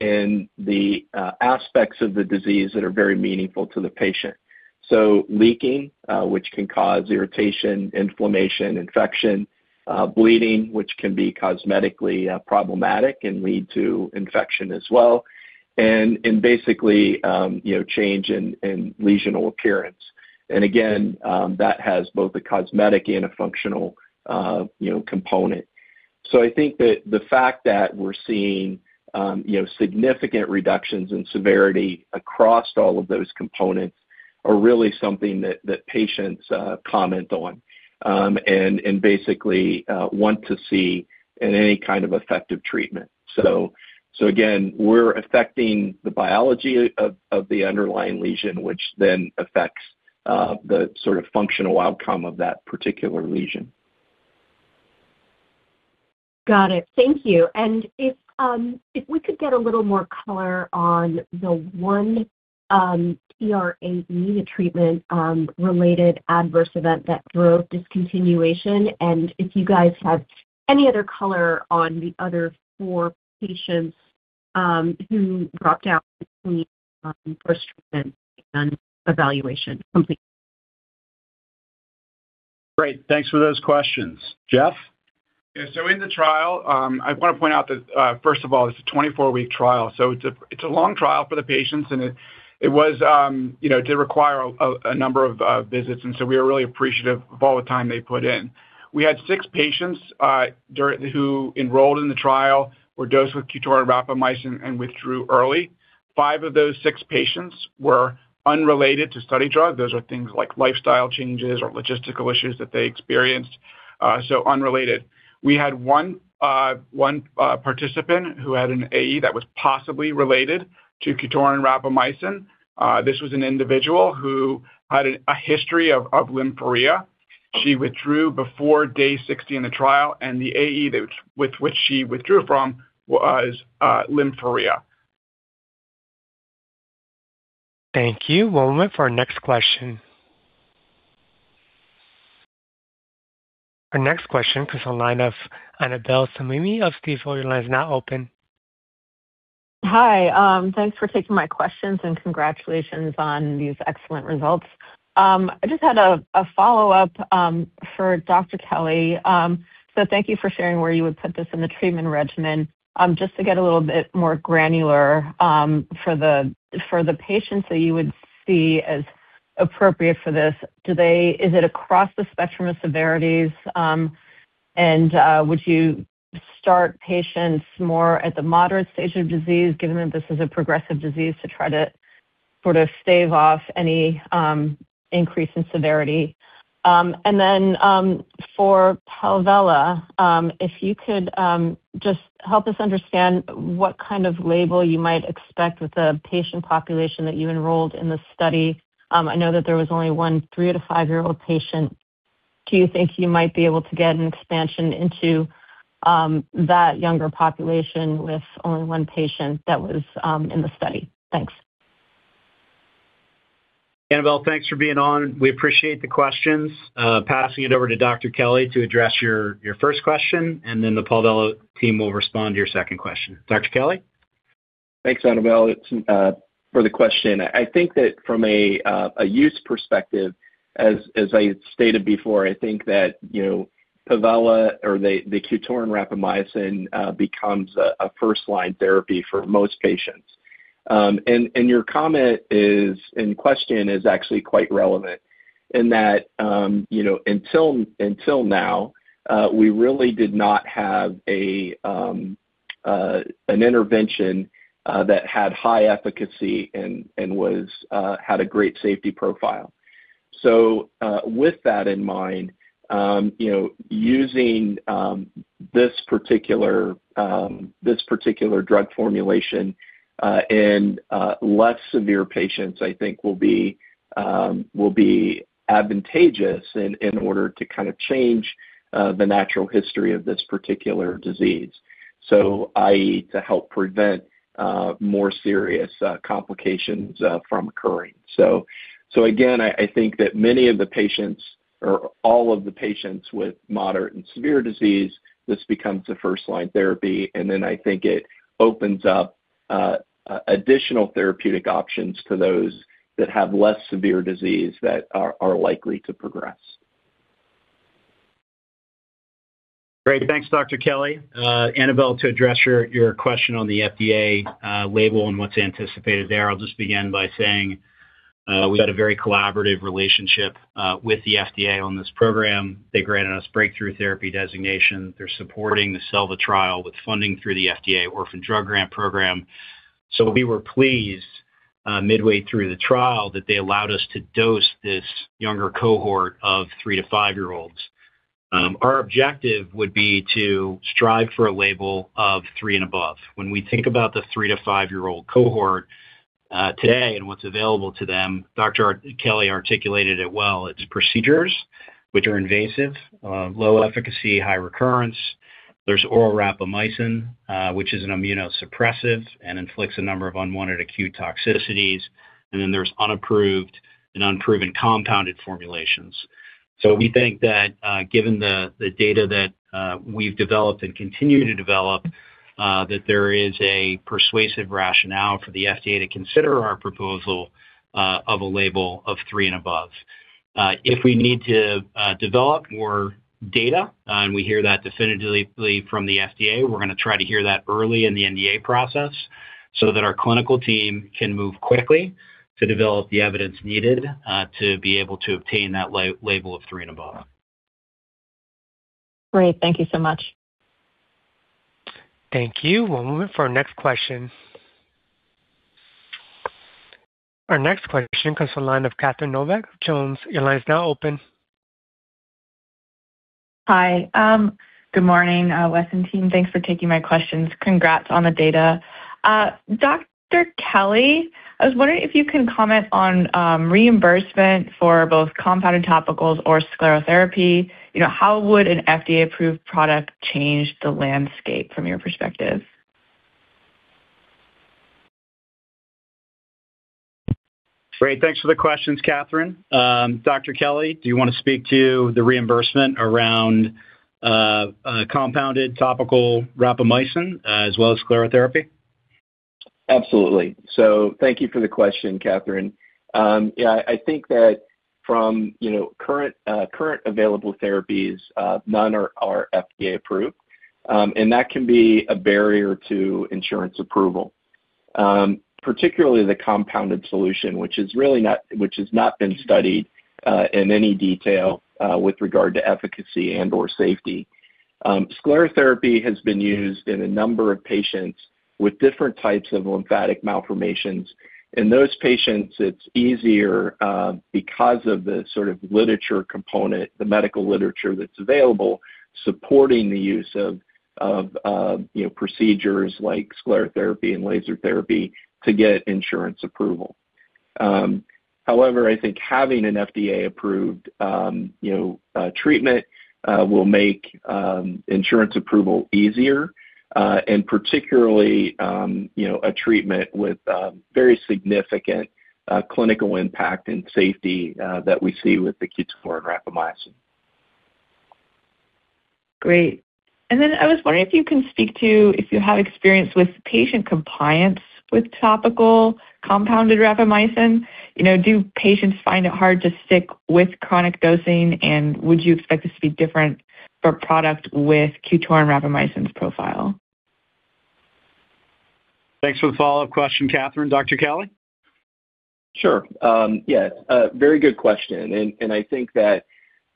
in the aspects of the disease that are very meaningful to the patient. So leaking, which can cause irritation, inflammation, infection, bleeding, which can be cosmetically problematic and lead to infection as well, and basically, you know, change in lesional appearance. Again, that has both a cosmetic and a functional, you know, component. I think that the fact that we're seeing, you know, significant reductions in severity across all of those components are really something that patients comment on, and basically, want to see in any kind of effective treatment. Again, we're affecting the biology of the underlying lesion, which then affects the sort of functional outcome of that particular lesion. Got it. Thank you. If we could get a little more color on the one TRAE, the Treatment-Related Adverse Event, that drug discontinuation, and if you guys have any other color on the other four patients, who dropped out between first treatment and evaluation complete. Great. Thanks for those questions. Jeff? Yeah, in the trial, I want to point out that, first of all, it's a 24-week trial, it's a long trial for the patients, it was, you know, did require a number of visits. We are really appreciative of all the time they put in. We had six patients who enrolled in the trial, were dosed with QTORIN rapamycin and withdrew early. Five of those six patients were unrelated to study drug. Those are things like lifestyle changes or logistical issues that they experienced, unrelated. We had one participant who had an AE that was possibly related to QTORIN rapamycin. This was an individual who had a history of lymphorrhea. She withdrew before day 60 in the trial, and the AE with which she withdrew from was, lymphorrhea. Thank you. One moment for our next question. Our next question comes from the line of Annabel Samimy of Stifel. Line is now open. Hi, thanks for taking my questions, and congratulations on these excellent results. I just had a follow-up for Dr. Kelly. Thank you for sharing where you would put this in the treatment regimen. Just to get a little bit more granular, for the patients that you would see as appropriate for this, is it across the spectrum of severities? Would you start patients more at the moderate stage of disease, given that this is a progressive disease, to try to sort of stave off any increase in severity? For Palvella, if you could just help us understand what kind of label you might expect with the patient population that you enrolled in the study. I know that there was only one three to five-year-old patient. Do you think you might be able to get an expansion into that younger population with only one patient that was in the study? Thanks. Annabel, thanks for being on. We appreciate the questions. Passing it over to Dr. Kelly to address your first question, the Palvella team will respond to your second question. Dr. Kelly? Thanks, Annabel, it's for the question. I think that from a use perspective, as I stated before, I think that, you know, Palvella or the QTORIN rapamycin becomes a first-line therapy for most patients. Your comment is, and question is actually quite relevant in that, you know, until now, we really did not have an intervention that had high efficacy and was had a great safety profile. With that in mind, you know, using this particular drug formulation in less severe patients, I think will be advantageous in order to kind of change the natural history of this particular disease. So, i.e., to help prevent more serious complications from occurring. again, I think that many of the patients or all of the patients with moderate and severe disease, this becomes a first-line therapy, and then I think it opens up additional therapeutic options to those that have less severe disease that are likely to progress. Great. Thanks, Dr. Kelly. Annabel, to address your question on the FDA label and what's anticipated there, I'll just begin by saying we had a very collaborative relationship with the FDA on this program. They granted us Breakthrough Therapy designation. They're supporting the SELVA trial with funding through the FDA Orphan Products Grants Program. We were pleased midway through the trial that they allowed us to dose this younger cohort of three to five-year-olds. Our objective would be to strive for a label of three and above. When we think about the three to five-year-old cohort today and what's available to them, Dr. Kelly articulated it well. It's procedures which are invasive, low efficacy, high recurrence. There's oral rapamycin, which is an immunosuppressive and inflicts a number of unwanted acute toxicities, and then there's unapproved and unproven compounded formulations. We think that, given the data that we've developed and continue to develop, that there is a persuasive rationale for the FDA to consider our proposal of a label of three and above. If we need to develop more data, and we hear that definitively from the FDA, we're gonna try to hear that early in the NDA process so that our clinical team can move quickly to develop the evidence needed to be able to obtain that label of three and above. Great. Thank you so much. Thank you. We'll move for our next question. Our next question comes from the line of Catherine Novack Jones. Your line is now open. Hi. Good morning, Wes and team. Thanks for taking my questions. Congrats on the data. Dr. Kelly, I was wondering if you can comment on reimbursement for both compounded topicals or sclerotherapy. You know, how would an FDA-approved product change the landscape from your perspective? Great. Thanks for the questions, Catherine. Dr. Kelly, do you want to speak to the reimbursement around a compounded topical rapamycin as well as sclerotherapy? I think that from, you know, current available therapies, none are FDA approved, and that can be a barrier to insurance approval. Particularly the compounded solution, which has not been studied in any detail with regard to efficacy and/or safety. Sclerotherapy has been used in a number of patients with different types of lymphatic malformations. In those patients, it's easier because of the sort of literature component, the medical literature that's available, supporting the use of, you know, procedures like sclerotherapy and laser therapy to get insurance approval. However, I think having an FDA-approved, you know, treatment will make insurance approval easier, and particularly, you know, a treatment with very significant clinical impact and safety, that we see with the QTORIN and rapamycin. Great. I was wondering if you can speak to, if you have experience with patient compliance with topical compounded rapamycin. You know, do patients find it hard to stick with chronic dosing, and would you expect this to be different for a product with QTORIN and rapamycin's profile? Thanks for the follow-up question, Catherine. Dr. Kelly? Sure. A very good question, and I think that,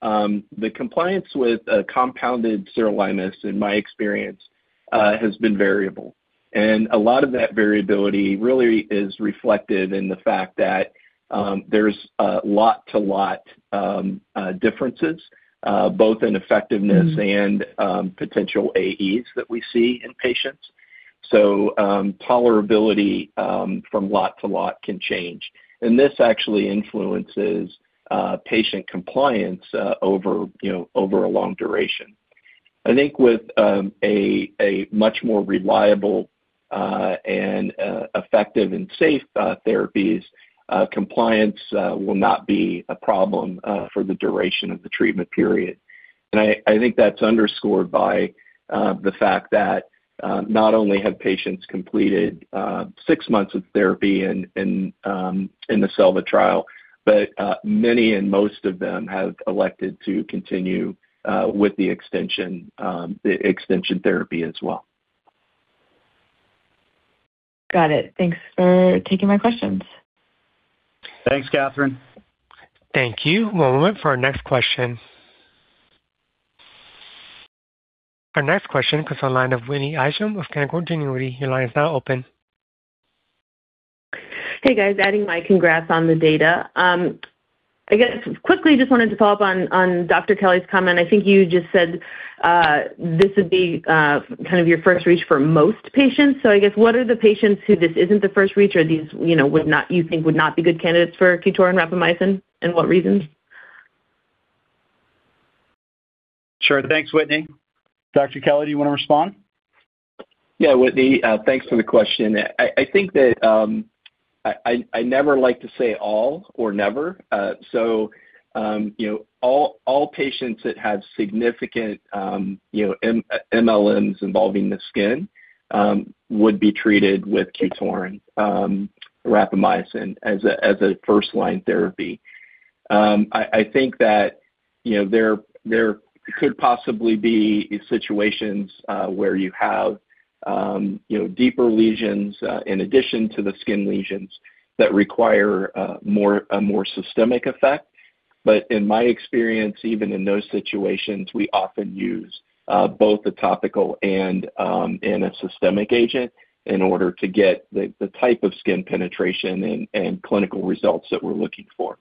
the compliance with a compounded sirolimus, in my experience, has been variable. A lot of that variability really is reflected in the fact that, there's a lot-to-lot, differences, both in effectiveness. Mm. Potential AEs that we see in patients. Tolerability from lot to lot can change, and this actually influences patient compliance over, you know, over a long duration. I think with a much more reliable, and effective and safe therapies, compliance will not be a problem for the duration of the treatment period. I think that's underscored by the fact that not only have patients completed six months of therapy in the SELVA trial, but many and most of them have elected to continue with the extension, the extension therapy as well. Got it. Thanks for taking my questions. Thanks, Catherine. Thank you. One moment for our next question. Our next question comes from the line of Whitney Ijem with Canaccord Genuity. Your line is now open. Hey, guys. Adding my congrats on the data. I guess quickly, just wanted to follow up on Dr. Kelly's comment. I think you just said, this would be, kind of your first reach for most patients. I guess what are the patients who this isn't the first reach or these, you know, you think would not be good candidates for QTORIN and rapamycin, and what reasons? Sure. Thanks, Whitney. Dr. Kelly, do you want to respond? Whitney, thanks for the question. I think that, I never like to say all or never. You know, all patients that have significant, you know, mLMs involving the skin, would be treated with QTORIN and rapamycin as a first-line therapy. I think that, you know, there could possibly be situations, where you have, you know, deeper lesions, in addition to the skin lesions that require, a more systemic effect. In my experience, even in those situations, we often use both the topical and a systemic agent in order to get the type of skin penetration and clinical results that we're looking for.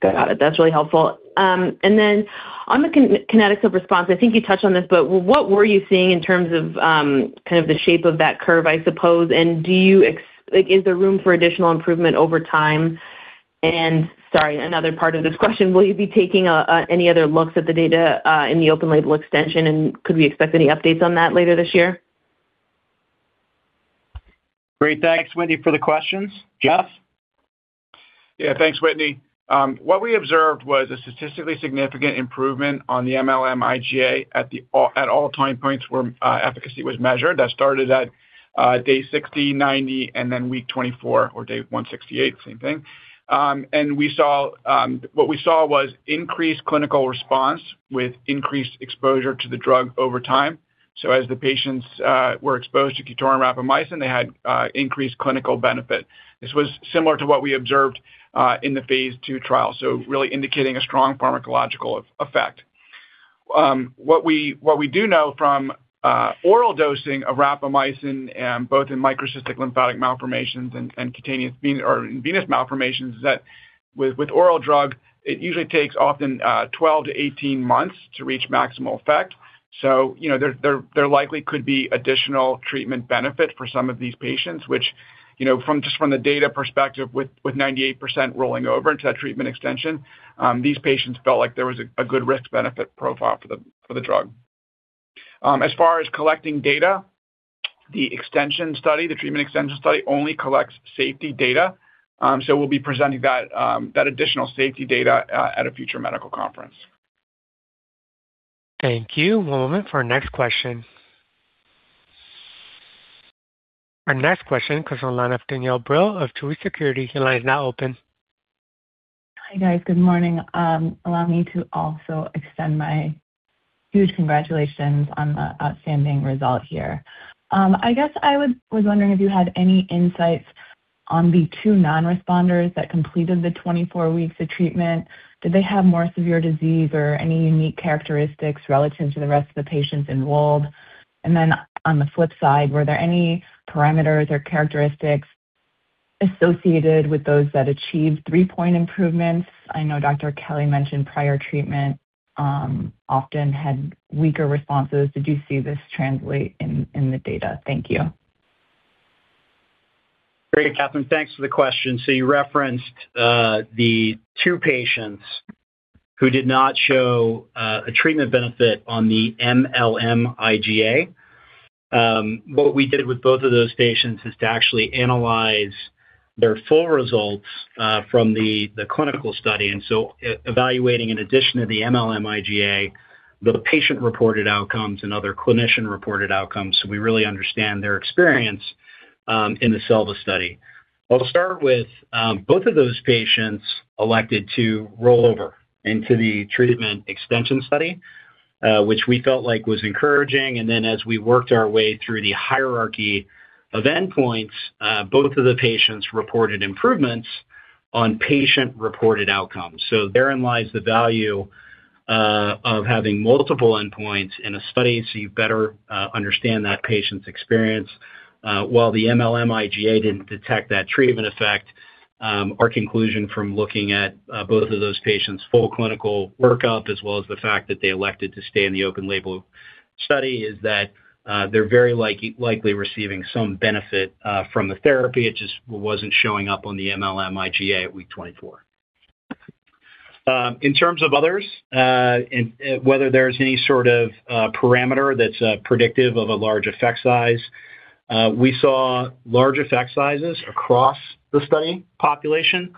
Got it. That's really helpful. Then on the kinetics of response, I think you touched on this, but what were you seeing in terms of kind of the shape of that curve, I suppose? Do you like, is there room for additional improvement over time? Sorry, another part of this question, will you be taking any other looks at the data in the open label extension? Could we expect any updates on that later this year? Great. Thanks, Whitney, for the questions. Jeff? Thanks, Whitney. What we observed was a statistically significant improvement on the mLM-IGA at all time points where efficacy was measured. That started at day 60, 90, and then week 24, or day 168, same thing. We saw what we saw was increased clinical response with increased exposure to the drug over time. As the patients were exposed to QTORIN rapamycin, they had increased clinical benefit. This was similar to what we observed in the phase II trial, so really indicating a strong pharmacological effect. What we do know from oral dosing of rapamycin and both in microcystic lymphatic malformations and cutaneous or venous malformations, is that with oral drug, it usually takes often 12 to 18 months to reach maximal effect. You know, there likely could be additional treatment benefit for some of these patients, which, you know, from just from the data perspective, with 98% rolling over into that treatment extension, these patients felt like there was a good risk-benefit profile for the drug. As far as collecting data, the extension study, the treatment extension study, only collects safety data. We'll be presenting that additional safety data at a future medical conference. Thank you. One moment for our next question. Our next question comes on the line of Danielle Brill of Truist Securities. Your line is now open. Hi, guys. Good morning. Allow me to also extend my huge congratulations on the outstanding result here. I guess I was wondering if you had any insights on the two nonresponders that completed the 24 weeks of treatment. Did they have more severe disease or any unique characteristics relative to the rest of the patients involved? Then on the flip side, were there any parameters or characteristics associated with those that achieved 3-point improvements? I know Dr. Kelly mentioned prior treatment often had weaker responses. Did you see this translate in the data? Thank you. Great, Catherine. Thanks for the question. You referenced the two patients who did not show a treatment benefit on the mLM-IGA. What we did with both of those patients is to actually analyze their full results from the clinical study, and so evaluating in addition to the mLM-IGA, the patient-reported outcomes and other clinician-reported outcomes, so we really understand their experience in the SELVA study. I'll start with, both of those patients elected to roll over into the treatment extension study, which we felt like was encouraging, and then as we worked our way through the hierarchy of endpoints, both of the patients reported improvements on patient-reported outcomes. Therein lies the value of having multiple endpoints in a study, so you better understand that patient's experience. While the mLM-IGA didn't detect that treatment effect, our conclusion from looking at both of those patients' full clinical workup, as well as the fact that they elected to stay in the open label study, is that they're very likely receiving some benefit from the therapy. It just wasn't showing up on the mLM-IGA at week 24. In terms of others, and whether there's any sort of parameter that's predictive of a large effect size, we saw large effect sizes across the study population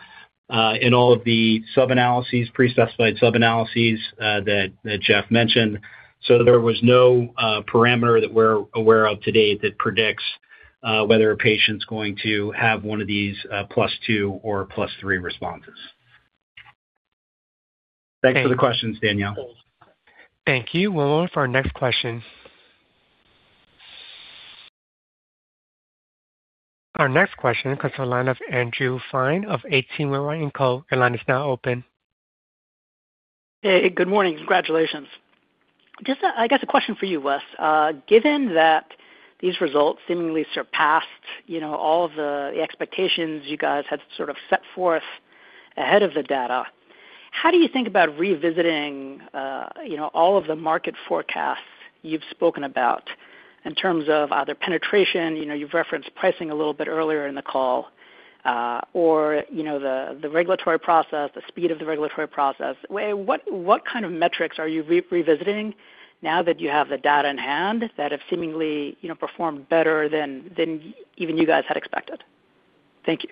in all of the sub-analyses, pre-specified sub-analyses, that Jeff mentioned. There was no parameter that we're aware of to date that predicts whether a patient's going to have one of these plus two or plus three responses. Thanks for the questions, Danielle. Thank you. We'll move for our next question. Our next question comes to the line of Andrew Fein of H.C. Wainwright & Co. Your line is now open. Hey, good morning. Congratulations. Just a, I guess, a question for you, Wes. Given that these results seemingly surpassed, you know, all of the expectations you guys had sort of set forth ahead of the data, how do you think about revisiting, you know, all of the market forecasts you've spoken about in terms of either penetration, you know, you've referenced pricing a little bit earlier in the call, or you know, the regulatory process, the speed of the regulatory process? What kind of metrics are you revisiting now that you have the data in hand that have seemingly, you know, performed better than even you guys had expected? Thank you.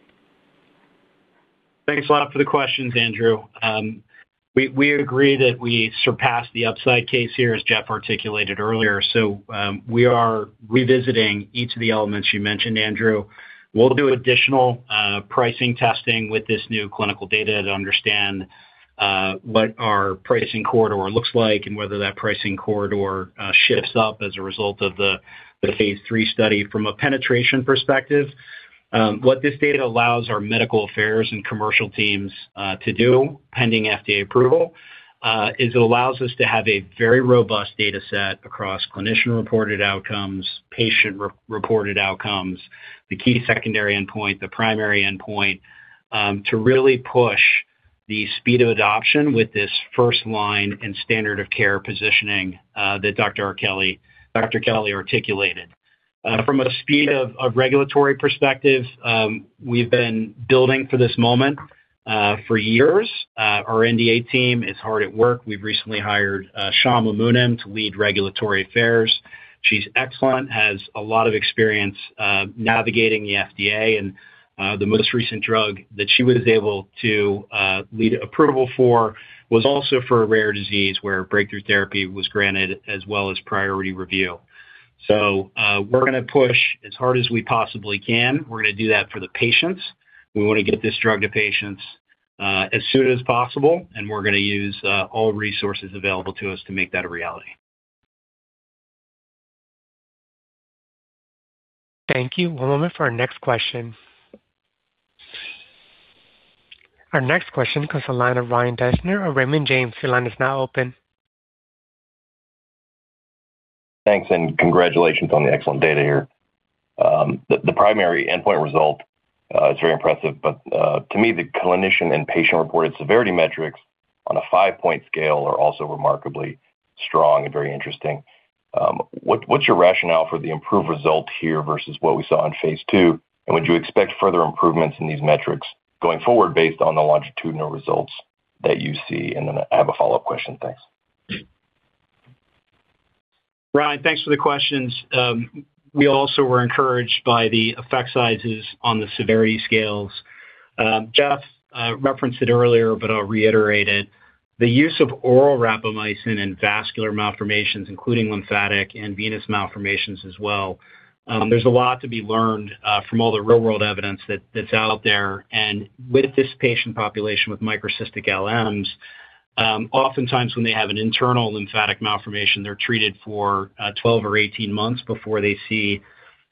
Thanks a lot for the questions, Andrew. We agree that we surpassed the upside case here, as Jeff articulated earlier. We are revisiting each of the elements you mentioned, Andrew. We'll do additional pricing testing with this new clinical data to understand what our pricing corridor looks like and whether that pricing corridor shifts up as a result of the phase three study. From a penetration perspective, what this data allows our medical affairs and commercial teams to do, pending FDA approval, is it allows us to have a very robust data set across clinician-reported outcomes, patient-re-reported outcomes, the key secondary endpoint, the primary endpoint, to really push the speed of adoption with this first line and standard of care positioning that Michael Kelly articulated. From a speed of regulatory perspective, we've been building for this moment for years. Our NDA team is hard at work. We've recently hired Shama Munim to lead regulatory affairs. She's excellent, has a lot of experience navigating the FDA and the most recent drug that she was able to lead approval for was also for a rare disease where Breakthrough Therapy was granted as well as Priority Review. We're gonna push as hard as we possibly can. We're gonna do that for the patients. We want to get this drug to patients as soon as possible, and we're gonna use all resources available to us to make that a reality. Thank you. One moment for our next question. Our next question comes from the line of Ryan Deschner of Raymond James. Your line is now open. Thanks. Congratulations on the excellent data here. The primary endpoint result is very impressive. To me, the clinician and patient-reported severity metrics on a five-point scale are also remarkably strong and very interesting. What's your rationale for the improved result here versus what we saw in phase II? Would you expect further improvements in these metrics going forward based on the longitudinal results that you see? I have a follow-up question. Thanks. Ryan, thanks for the questions. We also were encouraged by the effect sizes on the severity scales. Jeff referenced it earlier, I'll reiterate it. The use of oral rapamycin in vascular malformations, including lymphatic and venous malformations as well, there's a lot to be learned from all the real-world evidence that's out there. With this patient population, with microcystic LMs, oftentimes when they have an internal lymphatic malformation, they're treated for 12 or 18 months before they see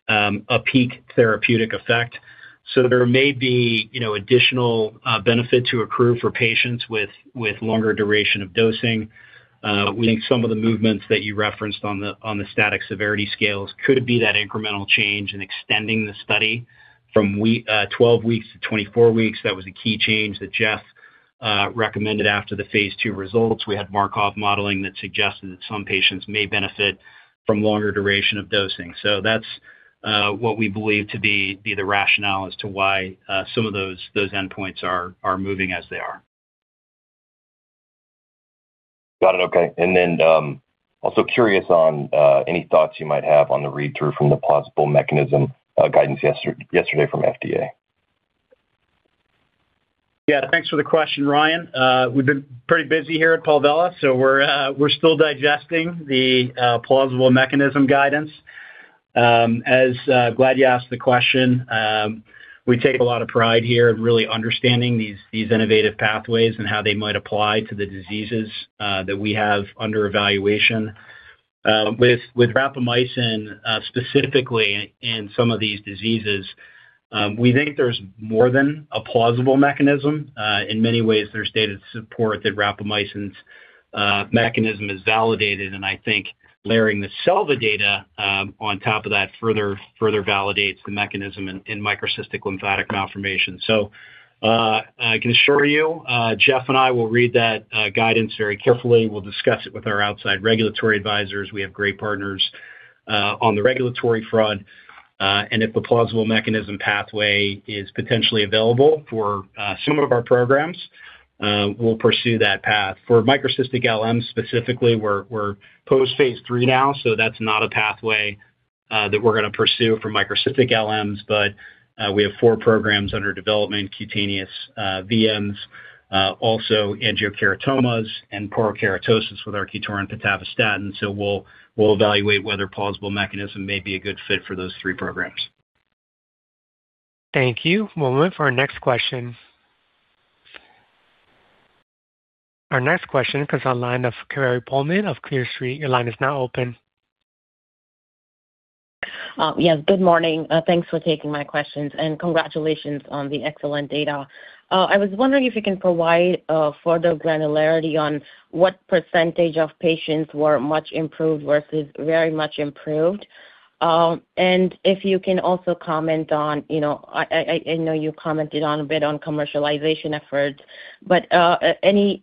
a peak therapeutic effect. There may be, you know, additional benefit to accrue for patients with longer duration of dosing. We think some of the movements that you referenced on the static severity scales could be that incremental change in extending the study from 12 weeks-24 weeks. That was a key change that Jeff recommended after the phase two results. We had Markov modeling that suggested that some patients may benefit from longer duration of dosing. That's what we believe to be the rationale as to why some of those endpoints are moving as they are. Got it. Okay. Also curious on any thoughts you might have on the read-through from the plausible mechanism guidance yesterday from FDA? Yeah, thanks for the question, Ryan. We've been pretty busy here at Palvella, we're still digesting the plausible mechanism guidance. Glad you asked the question. We take a lot of pride here in really understanding these innovative pathways and how they might apply to the diseases that we have under evaluation. With rapamycin, specifically in some of these diseases, we think there's more than a plausible mechanism. In many ways, there's data to support that rapamycin's mechanism is validated, and I think layering the cell data on top of that further validates the mechanism in microcystic lymphatic malformation. I can assure you, Jeff and I will read that guidance very carefully. We'll discuss it with our outside regulatory advisors. We have great partners on the regulatory front. If the plausible mechanism pathway is potentially available for some of our programs, we'll pursue that path. For microcystic LMs specifically, we're post-phase III now, so that's not a pathway that we're gonna pursue for microcystic LMs. We have four programs under development: cutaneous VMs, also angiokeratomas and porokeratosis with our QTORIN pitavastatin. We'll, we'll evaluate whether plausible mechanism may be a good fit for those three programs. Thank you. We'll move for our next question. Our next question comes on line of Kaveri Pohlman of Clear Street. Your line is now open. Yes, good morning. Thanks for taking my questions, congratulations on the excellent data. I was wondering if you can provide further granularity on what percentage of patients were much improved versus very much improved. If you can also comment on, you know, I know you commented on a bit on commercialization efforts, but any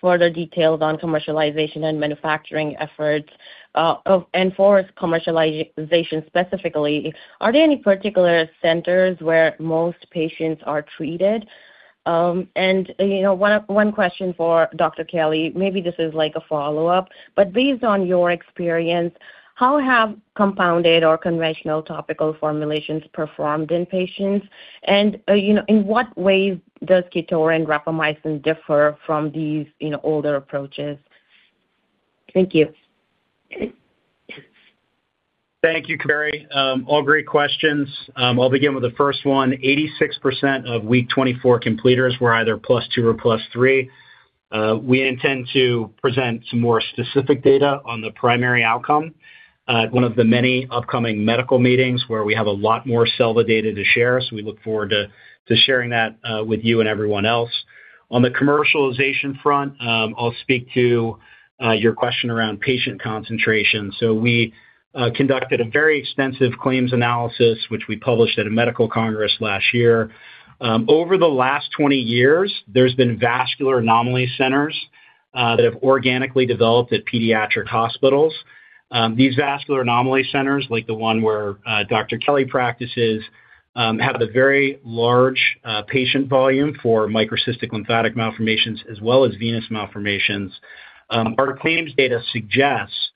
further details on commercialization and manufacturing efforts? For commercialization specifically, are there any particular centers where most patients are treated? You know, one question for Dr. Kelly. Maybe this is like a follow-up, but based on your experience, how have compounded or conventional topical formulations performed in patients? You know, in what way does QTORIN and rapamycin differ from these, you know, older approaches? Thank you. Thank you, Kaveri. All great questions. I'll begin with the first one: 86% of week 24 completers were either plus two or plus three. We intend to present some more specific data on the primary outcome at one of the many upcoming medical meetings where we have a lot more cell data to share. We look forward to sharing that with you and everyone else. On the commercialization front, I'll speak to your question around patient concentration. We conducted a very extensive claims analysis, which we published at a medical congress last year. Over the last 20 years, there's been vascular anomaly centers that have organically developed at pediatric hospitals. These vascular anomaly centers, like the one where Dr. Kelly practices have a very large patient volume for microcystic lymphatic malformations as well as venous malformations. Our claims data suggests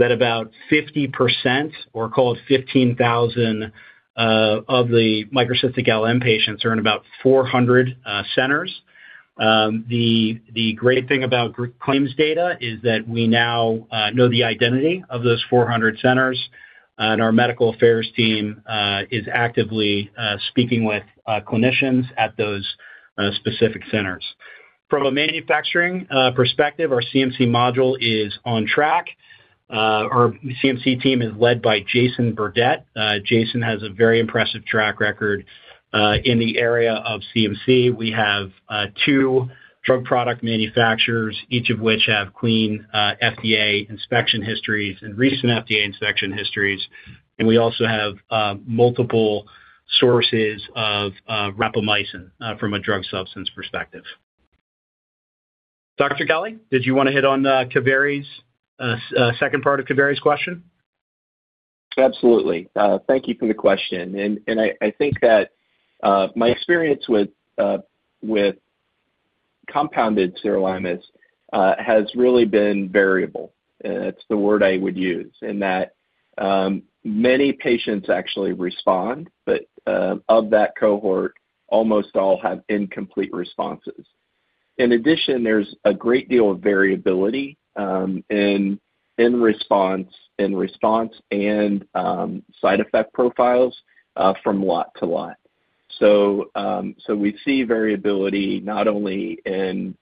that about 50%, or call it 15,000, of the microcystic LM patients are in about 400 centers. The great thing about group claims data is that we now know the identity of those 400 centers, and our medical affairs team is actively speaking with clinicians at those specific centers. From a manufacturing perspective, our CMC module is on track. Our CMC team is led by Jason Burdette. Jason has a very impressive track record in the area of CMC. We have two drug product manufacturers, each of which have clean FDA inspection histories and recent FDA inspection histories, and we also have multiple sources of rapamycin from a drug substance perspective. Dr. Kelly, did you want to hit on Kaveri's second part of Kaveri's question? Absolutely. Thank you for the question. I think that my experience with compounded sirolimus has really been variable. It's the word I would use, in that many patients actually respond, but of that cohort, almost all have incomplete responses. In addition, there's a great deal of variability in response and side effect profiles from lot to lot. We see variability not only in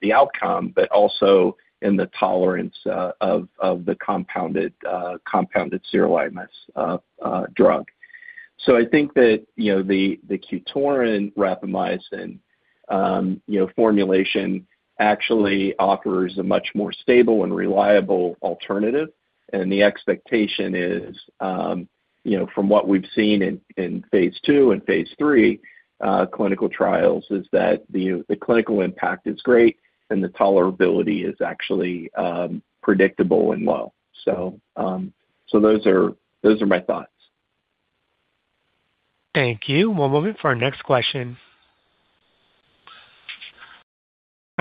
the outcome, but also in the tolerance of the compounded sirolimus drug. I think that, you know, the QTORIN rapamycin, you know, formulation actually offers a much more stable and reliable alternative. The expectation is, you know, from what we've seen in phase II and phase III, clinical trials, is that the clinical impact is great, and the tolerability is actually, predictable and low. Those are, those are my thoughts. Thank you. We'll move it for our next question.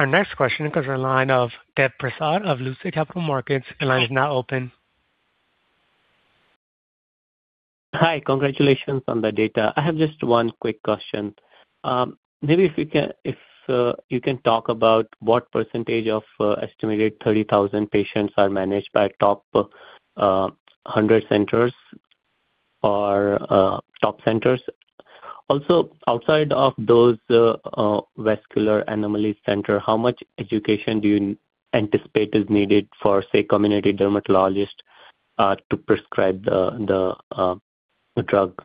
Our next question comes from the line of Dev Prasad of Lucid Capital Markets. The line is now open. Hi, congratulations on the data. I have just one quick question. Maybe if you can talk about what percentage of estimated 30,000 patients are managed by top 100 centers or top centers? Also, outside of those vascular anomaly center, how much education do you anticipate is needed for, say, community dermatologists to prescribe the drug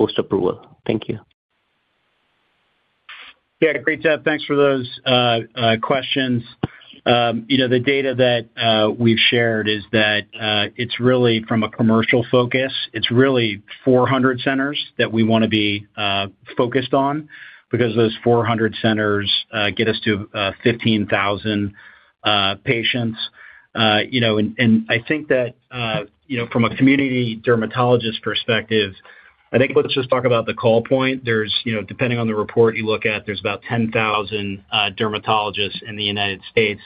post-approval? Thank you. Yeah, great, Dev. Thanks for those questions. You know, the data that we've shared is that it's really from a commercial focus. It's really 400 centers that we wanna be focused on, because those 400 centers get us to 15,000 patients. You know, and I think that, you know, from a community dermatologist perspective, I think let's just talk about the call point. You know, depending on the report you look at, there's about 10,000 dermatologists in the United States.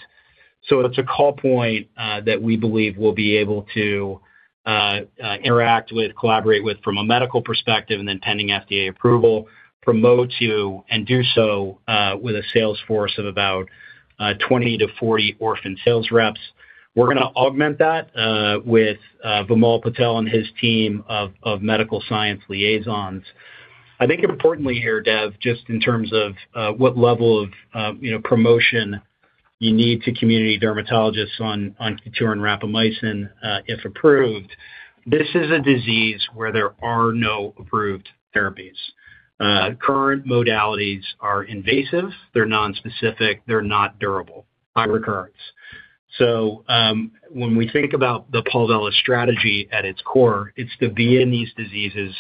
It's a call point that we believe we'll be able to interact with, collaborate with from a medical perspective, and then pending FDA approval, promote to and do so with a sales force of about 20-40 orphan sales reps. We're gonna augment that with Vimal Patel and his team of medical science liaisons. I think importantly here, Dev, just in terms of what level of, you know, promotion you need to community dermatologists on QTORIN rapamycin, if approved, this is a disease where there are no approved therapies. Current modalities are invasive, they're nonspecific, they're not durable, high recurrence. When we think about the Palvella strategy at its core, it's to be in these diseases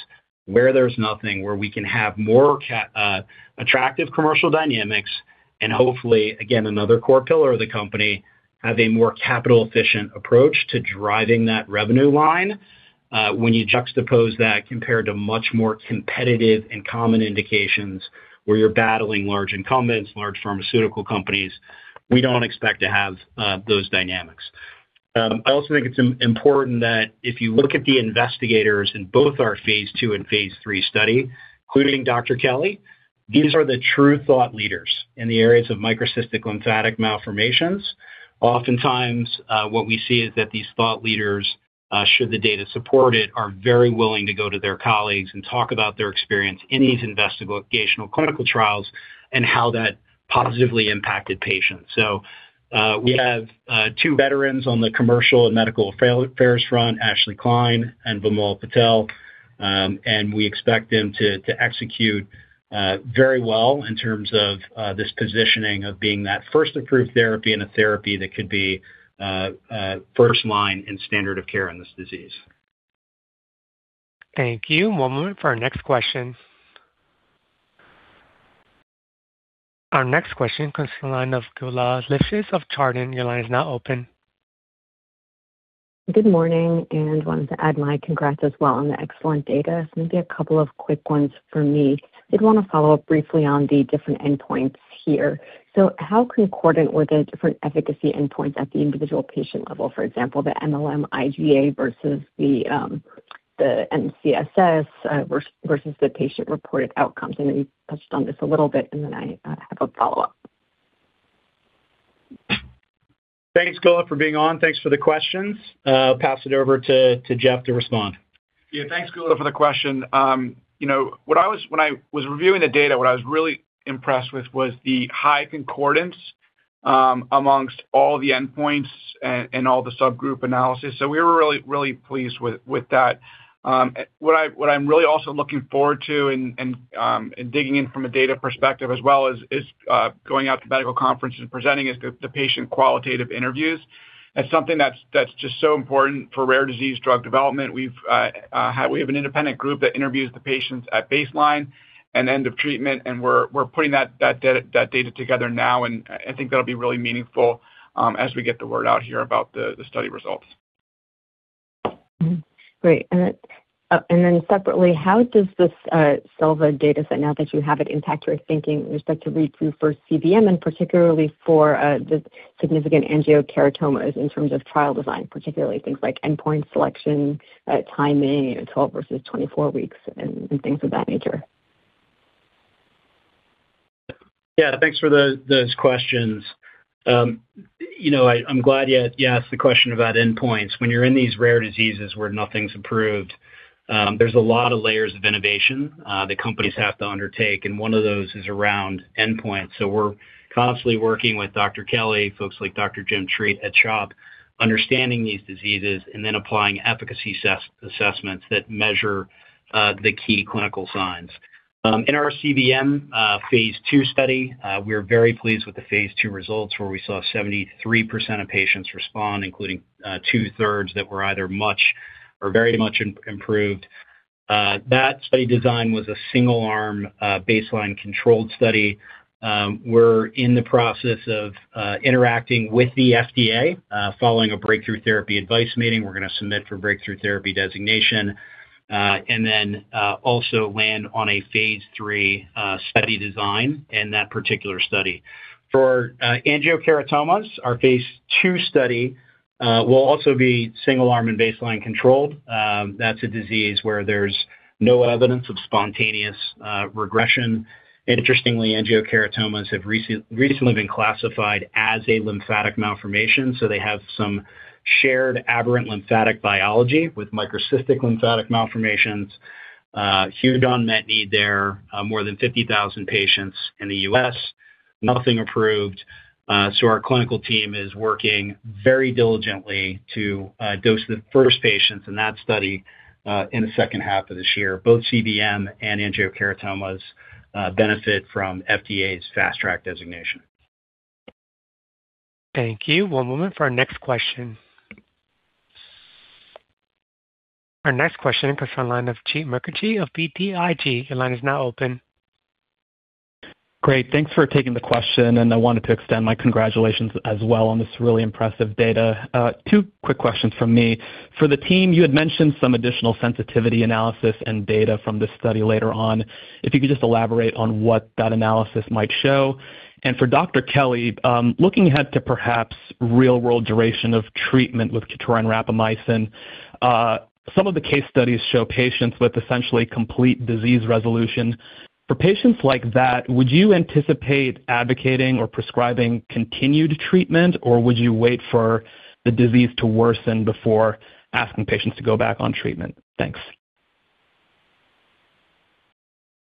where there's nothing, where we can have more attractive commercial dynamics and hopefully, again, another core pillar of the company, have a more capital-efficient approach to driving that revenue line. When you juxtapose that compared to much more competitive and common indications, where you're battling large incumbents, large pharmaceutical companies, we don't expect to have those dynamics. I also think it's important that if you look at the investigators in both our phase two and phase three study, including Dr. Kelly, these are the true thought leaders in the areas of microcystic lymphatic malformations. Oftentimes, what we see is that these thought leaders, should the data support it, are very willing to go to their colleagues and talk about their experience in these investigational clinical trials and how that positively impacted patients. We have two veterans on the commercial and medical affairs front, Ashley Kline and Vimal Patel, and we expect them to execute very well in terms of this positioning of being that first approved therapy and a therapy that could be first line in standard of care in this disease. Thank you. One moment for our next question. Our next question comes from the line of Geulah Livshits of Chardan. Your line is now open. Good morning, wanted to add my congrats as well on the excellent data. Maybe a couple of quick ones for me. Did want to follow up briefly on the different endpoints here. How concordant were the different efficacy endpoints at the individual patient level? For example, the mLM-IGA versus the mLM-MCSS versus the patient-reported outcomes? I know you touched on this a little bit, I have a follow-up. Thanks, Geulah, for being on. Thanks for the questions. Pass it over to Jeff to respond. Thanks, Geulah, for the question. You know, when I was reviewing the data, what I was really impressed with was the high concordance amongst all the endpoints and all the subgroup analysis. We were really pleased with that. What I'm really also looking forward to and digging in from a data perspective as well is going out to medical conferences and presenting is the patient qualitative interviews. That's something that's just so important for rare disease drug development. We have an independent group that interviews the patients at baseline and end of treatment, and we're putting that data together now, and I think that'll be really meaningful as we get the word out here about the study results. Great. Separately, how does this SELVA data set, now that you have it, impact your thinking with respect to read through for cVM, and particularly for, the significant angiokeratomas in terms of trial design, particularly things like endpoint selection, timing, and 12 versus 24 weeks, and things of that nature? Yeah, thanks for those questions. You know, I'm glad you asked the question about endpoints. When you're in these rare diseases where nothing's approved, there's a lot of layers of innovation that companies have to undertake, and one of those is around endpoints. We're constantly working with Dr. Kelly, folks like Dr. Jim Treat at CHOP, understanding these diseases and then applying efficacy assessments that measure the key clinical signs. In our cVM phase II study, we're very pleased with the phase II results, where we saw 73% of patients respond, including two-thirds that were either much or very much improved. That study design was a single-arm, baseline controlled study. We're in the process of interacting with the FDA. Following a Breakthrough Therapy advice meeting, we're gonna submit for Breakthrough Therapy designation, and then also land on a phase III study design in that particular study. For angiokeratomas, our phase II study will also be single arm and baseline controlled. That's a disease where there's no evidence of spontaneous regression. Interestingly, angiokeratomas have recently been classified as a lymphatic malformation, so they have some shared aberrant lymphatic biology with microcystic lymphatic malformations. Huge unmet need there, more than 50,000 patients in the U.S., nothing approved. So our clinical team is working very diligently to dose the first patients in that study in the second half of this year. Both cVM and angiokeratomas benefit from FDA's Fast Track designation. Thank you. One moment for our next question. Our next question comes from the line of Jeet Mukherjee of BTIG. Your line is now open. Great. Thanks for taking the question. I wanted to extend my congratulations as well on this really impressive data. Two quick questions from me. For the team, you had mentioned some additional sensitivity analysis and data from this study later on. If you could just elaborate on what that analysis might show. For Dr. Kelly, looking ahead to perhaps real-world duration of treatment with QTORIN rapamycin, some of the case studies show patients with essentially complete disease resolution. For patients like that, would you anticipate advocating or prescribing continued treatment, or would you wait for the disease to worsen before asking patients to go back on treatment? Thanks.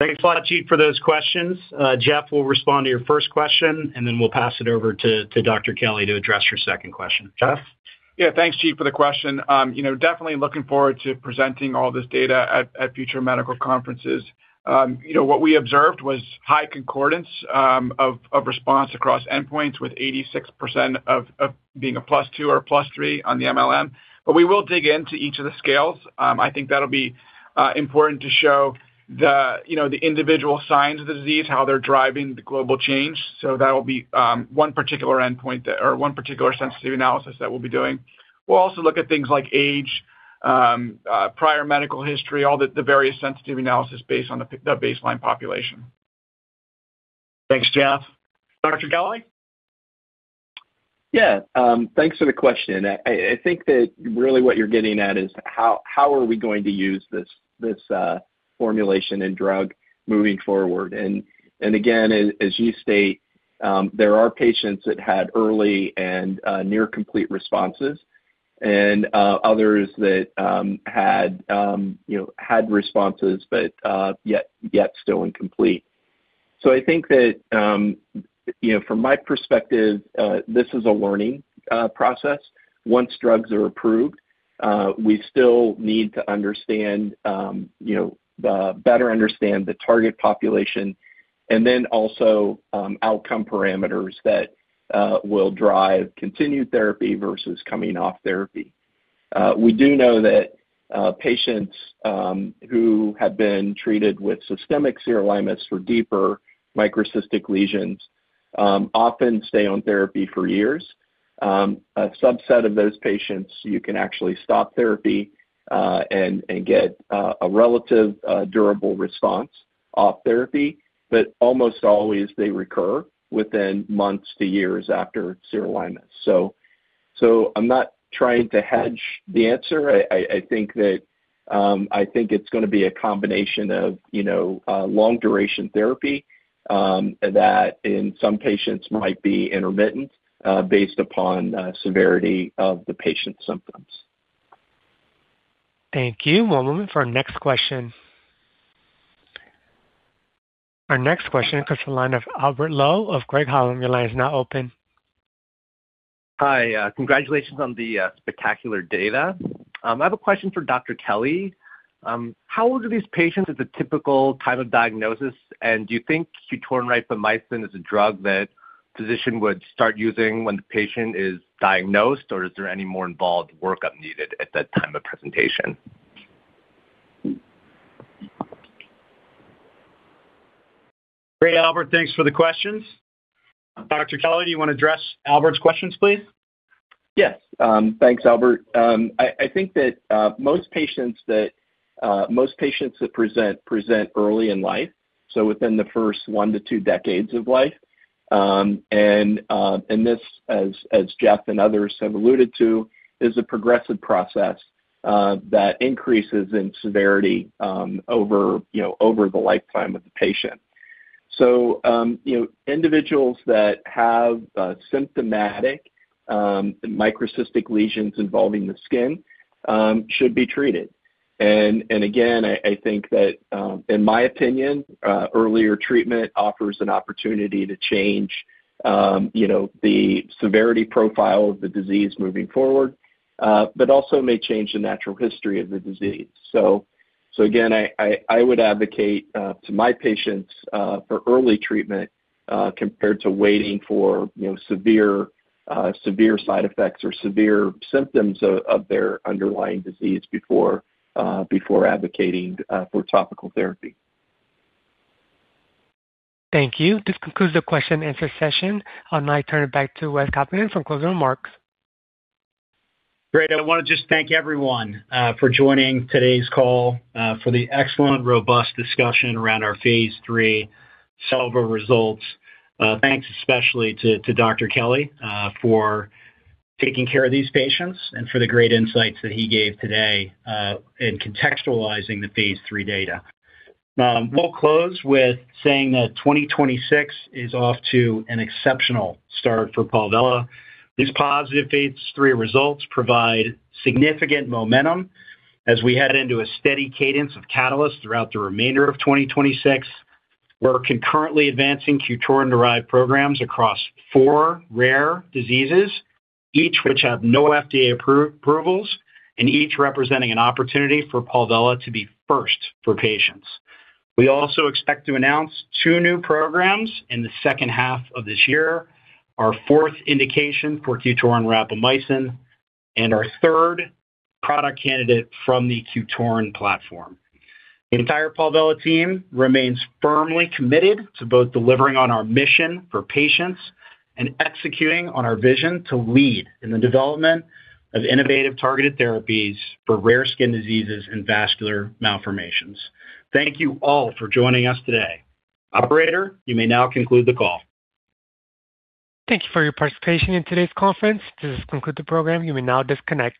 Thanks a lot, Jeet, for those questions. Jeff will respond to your first question, and then we'll pass it over to Dr. Kelly to address your second question. Jeff? Yeah, thanks, Jeet, for the question. You know, definitely looking forward to presenting all this data at future medical conferences. You know, what we observed was high concordance of response across endpoints with 86% of being a plus two or a plus three on the mLM. We will dig into each of the scales. I think that'll be important to show the, you know, the individual signs of the disease, how they're driving the global change. That'll be one particular endpoint that or one particular sensitivity analysis that we'll be doing. We'll also look at things like age, prior medical history, all the various sensitivity analysis based on the baseline population. Thanks, Jeff. Dr. Kelly? Yeah, thanks for the question. I think that really what you're getting at is how are we going to use this formulation and drug moving forward? Again, as you state, there are patients that had early and near-complete responses. ... and others that had, you know, had responses but yet still incomplete. I think that, you know, from my perspective, this is a learning process. Once drugs are approved, we still need to understand, you know, better understand the target population and then also outcome parameters that will drive continued therapy versus coming off therapy. We do know that patients who have been treated with systemic sirolimus for deeper microcystic lesions often stay on therapy for years. A subset of those patients, you can actually stop therapy and get a relative durable response off therapy, but almost always they recur within months to years after sirolimus. I'm not trying to hedge the answer. I think that I think it's gonna be a combination of, you know, long-duration therapy, that in some patients might be intermittent, based upon severity of the patient's symptoms. Thank you. One moment for our next question. Our next question comes from the line of Albert Lowe of Craig-Hallum. Your line is now open. Hi, congratulations on the spectacular data. I have a question for Dr. Kelly. How old are these patients at the typical time of diagnosis? Do you think QTORIN rapamycin is a drug that physician would start using when the patient is diagnosed, or is there any more involved workup needed at that time of presentation? Great, Albert. Thanks for the questions. Dr. Kelly, do you want to address Albert's questions, please? Yes. Thanks, Albert. I think that most patients that present early in life, so within the first one to two decades of life. This, as Jeff and others have alluded to, is a progressive process that increases in severity over, you know, over the lifetime of the patient. Individuals that have symptomatic microcystic lesions involving the skin should be treated. Again, I think that, in my opinion, earlier treatment offers an opportunity to change, you know, the severity profile of the disease moving forward, but also may change the natural history of the disease. Again, I would advocate to my patients for early treatment compared to waiting for, you know, severe side effects or severe symptoms of their underlying disease before advocating for topical therapy. Thank you. This concludes the question-and-answer session. I'll now turn it back to Wes Kaupinen for closing remarks. Great. I wanna just thank everyone for joining today's call for the excellent, robust discussion around our phase III SELVA results. Thanks especially to Dr. Kelly for taking care of these patients and for the great insights that he gave today in contextualizing the phase III data. We'll close with saying that 2026 is off to an exceptional start for Palvella. These positive phase III results provide significant momentum as we head into a steady cadence of catalysts throughout the remainder of 2026. We're concurrently advancing QTORIN-derived programs across four rare diseases, each which have no FDA-approved approvals and each representing an opportunity for Palvella to be first for patients. We also expect to announce two new programs in the second half of this year, our fourth indication for QTORIN rapamycin, and our third product candidate from the QTORIN platform. The entire Palvella team remains firmly committed to both delivering on our mission for patients and executing on our vision to lead in the development of innovative targeted therapies for rare skin diseases and vascular malformations. Thank you all for joining us today. Operator, you may now conclude the call. Thank you for your participation in today's conference. This concludes the program. You may now disconnect.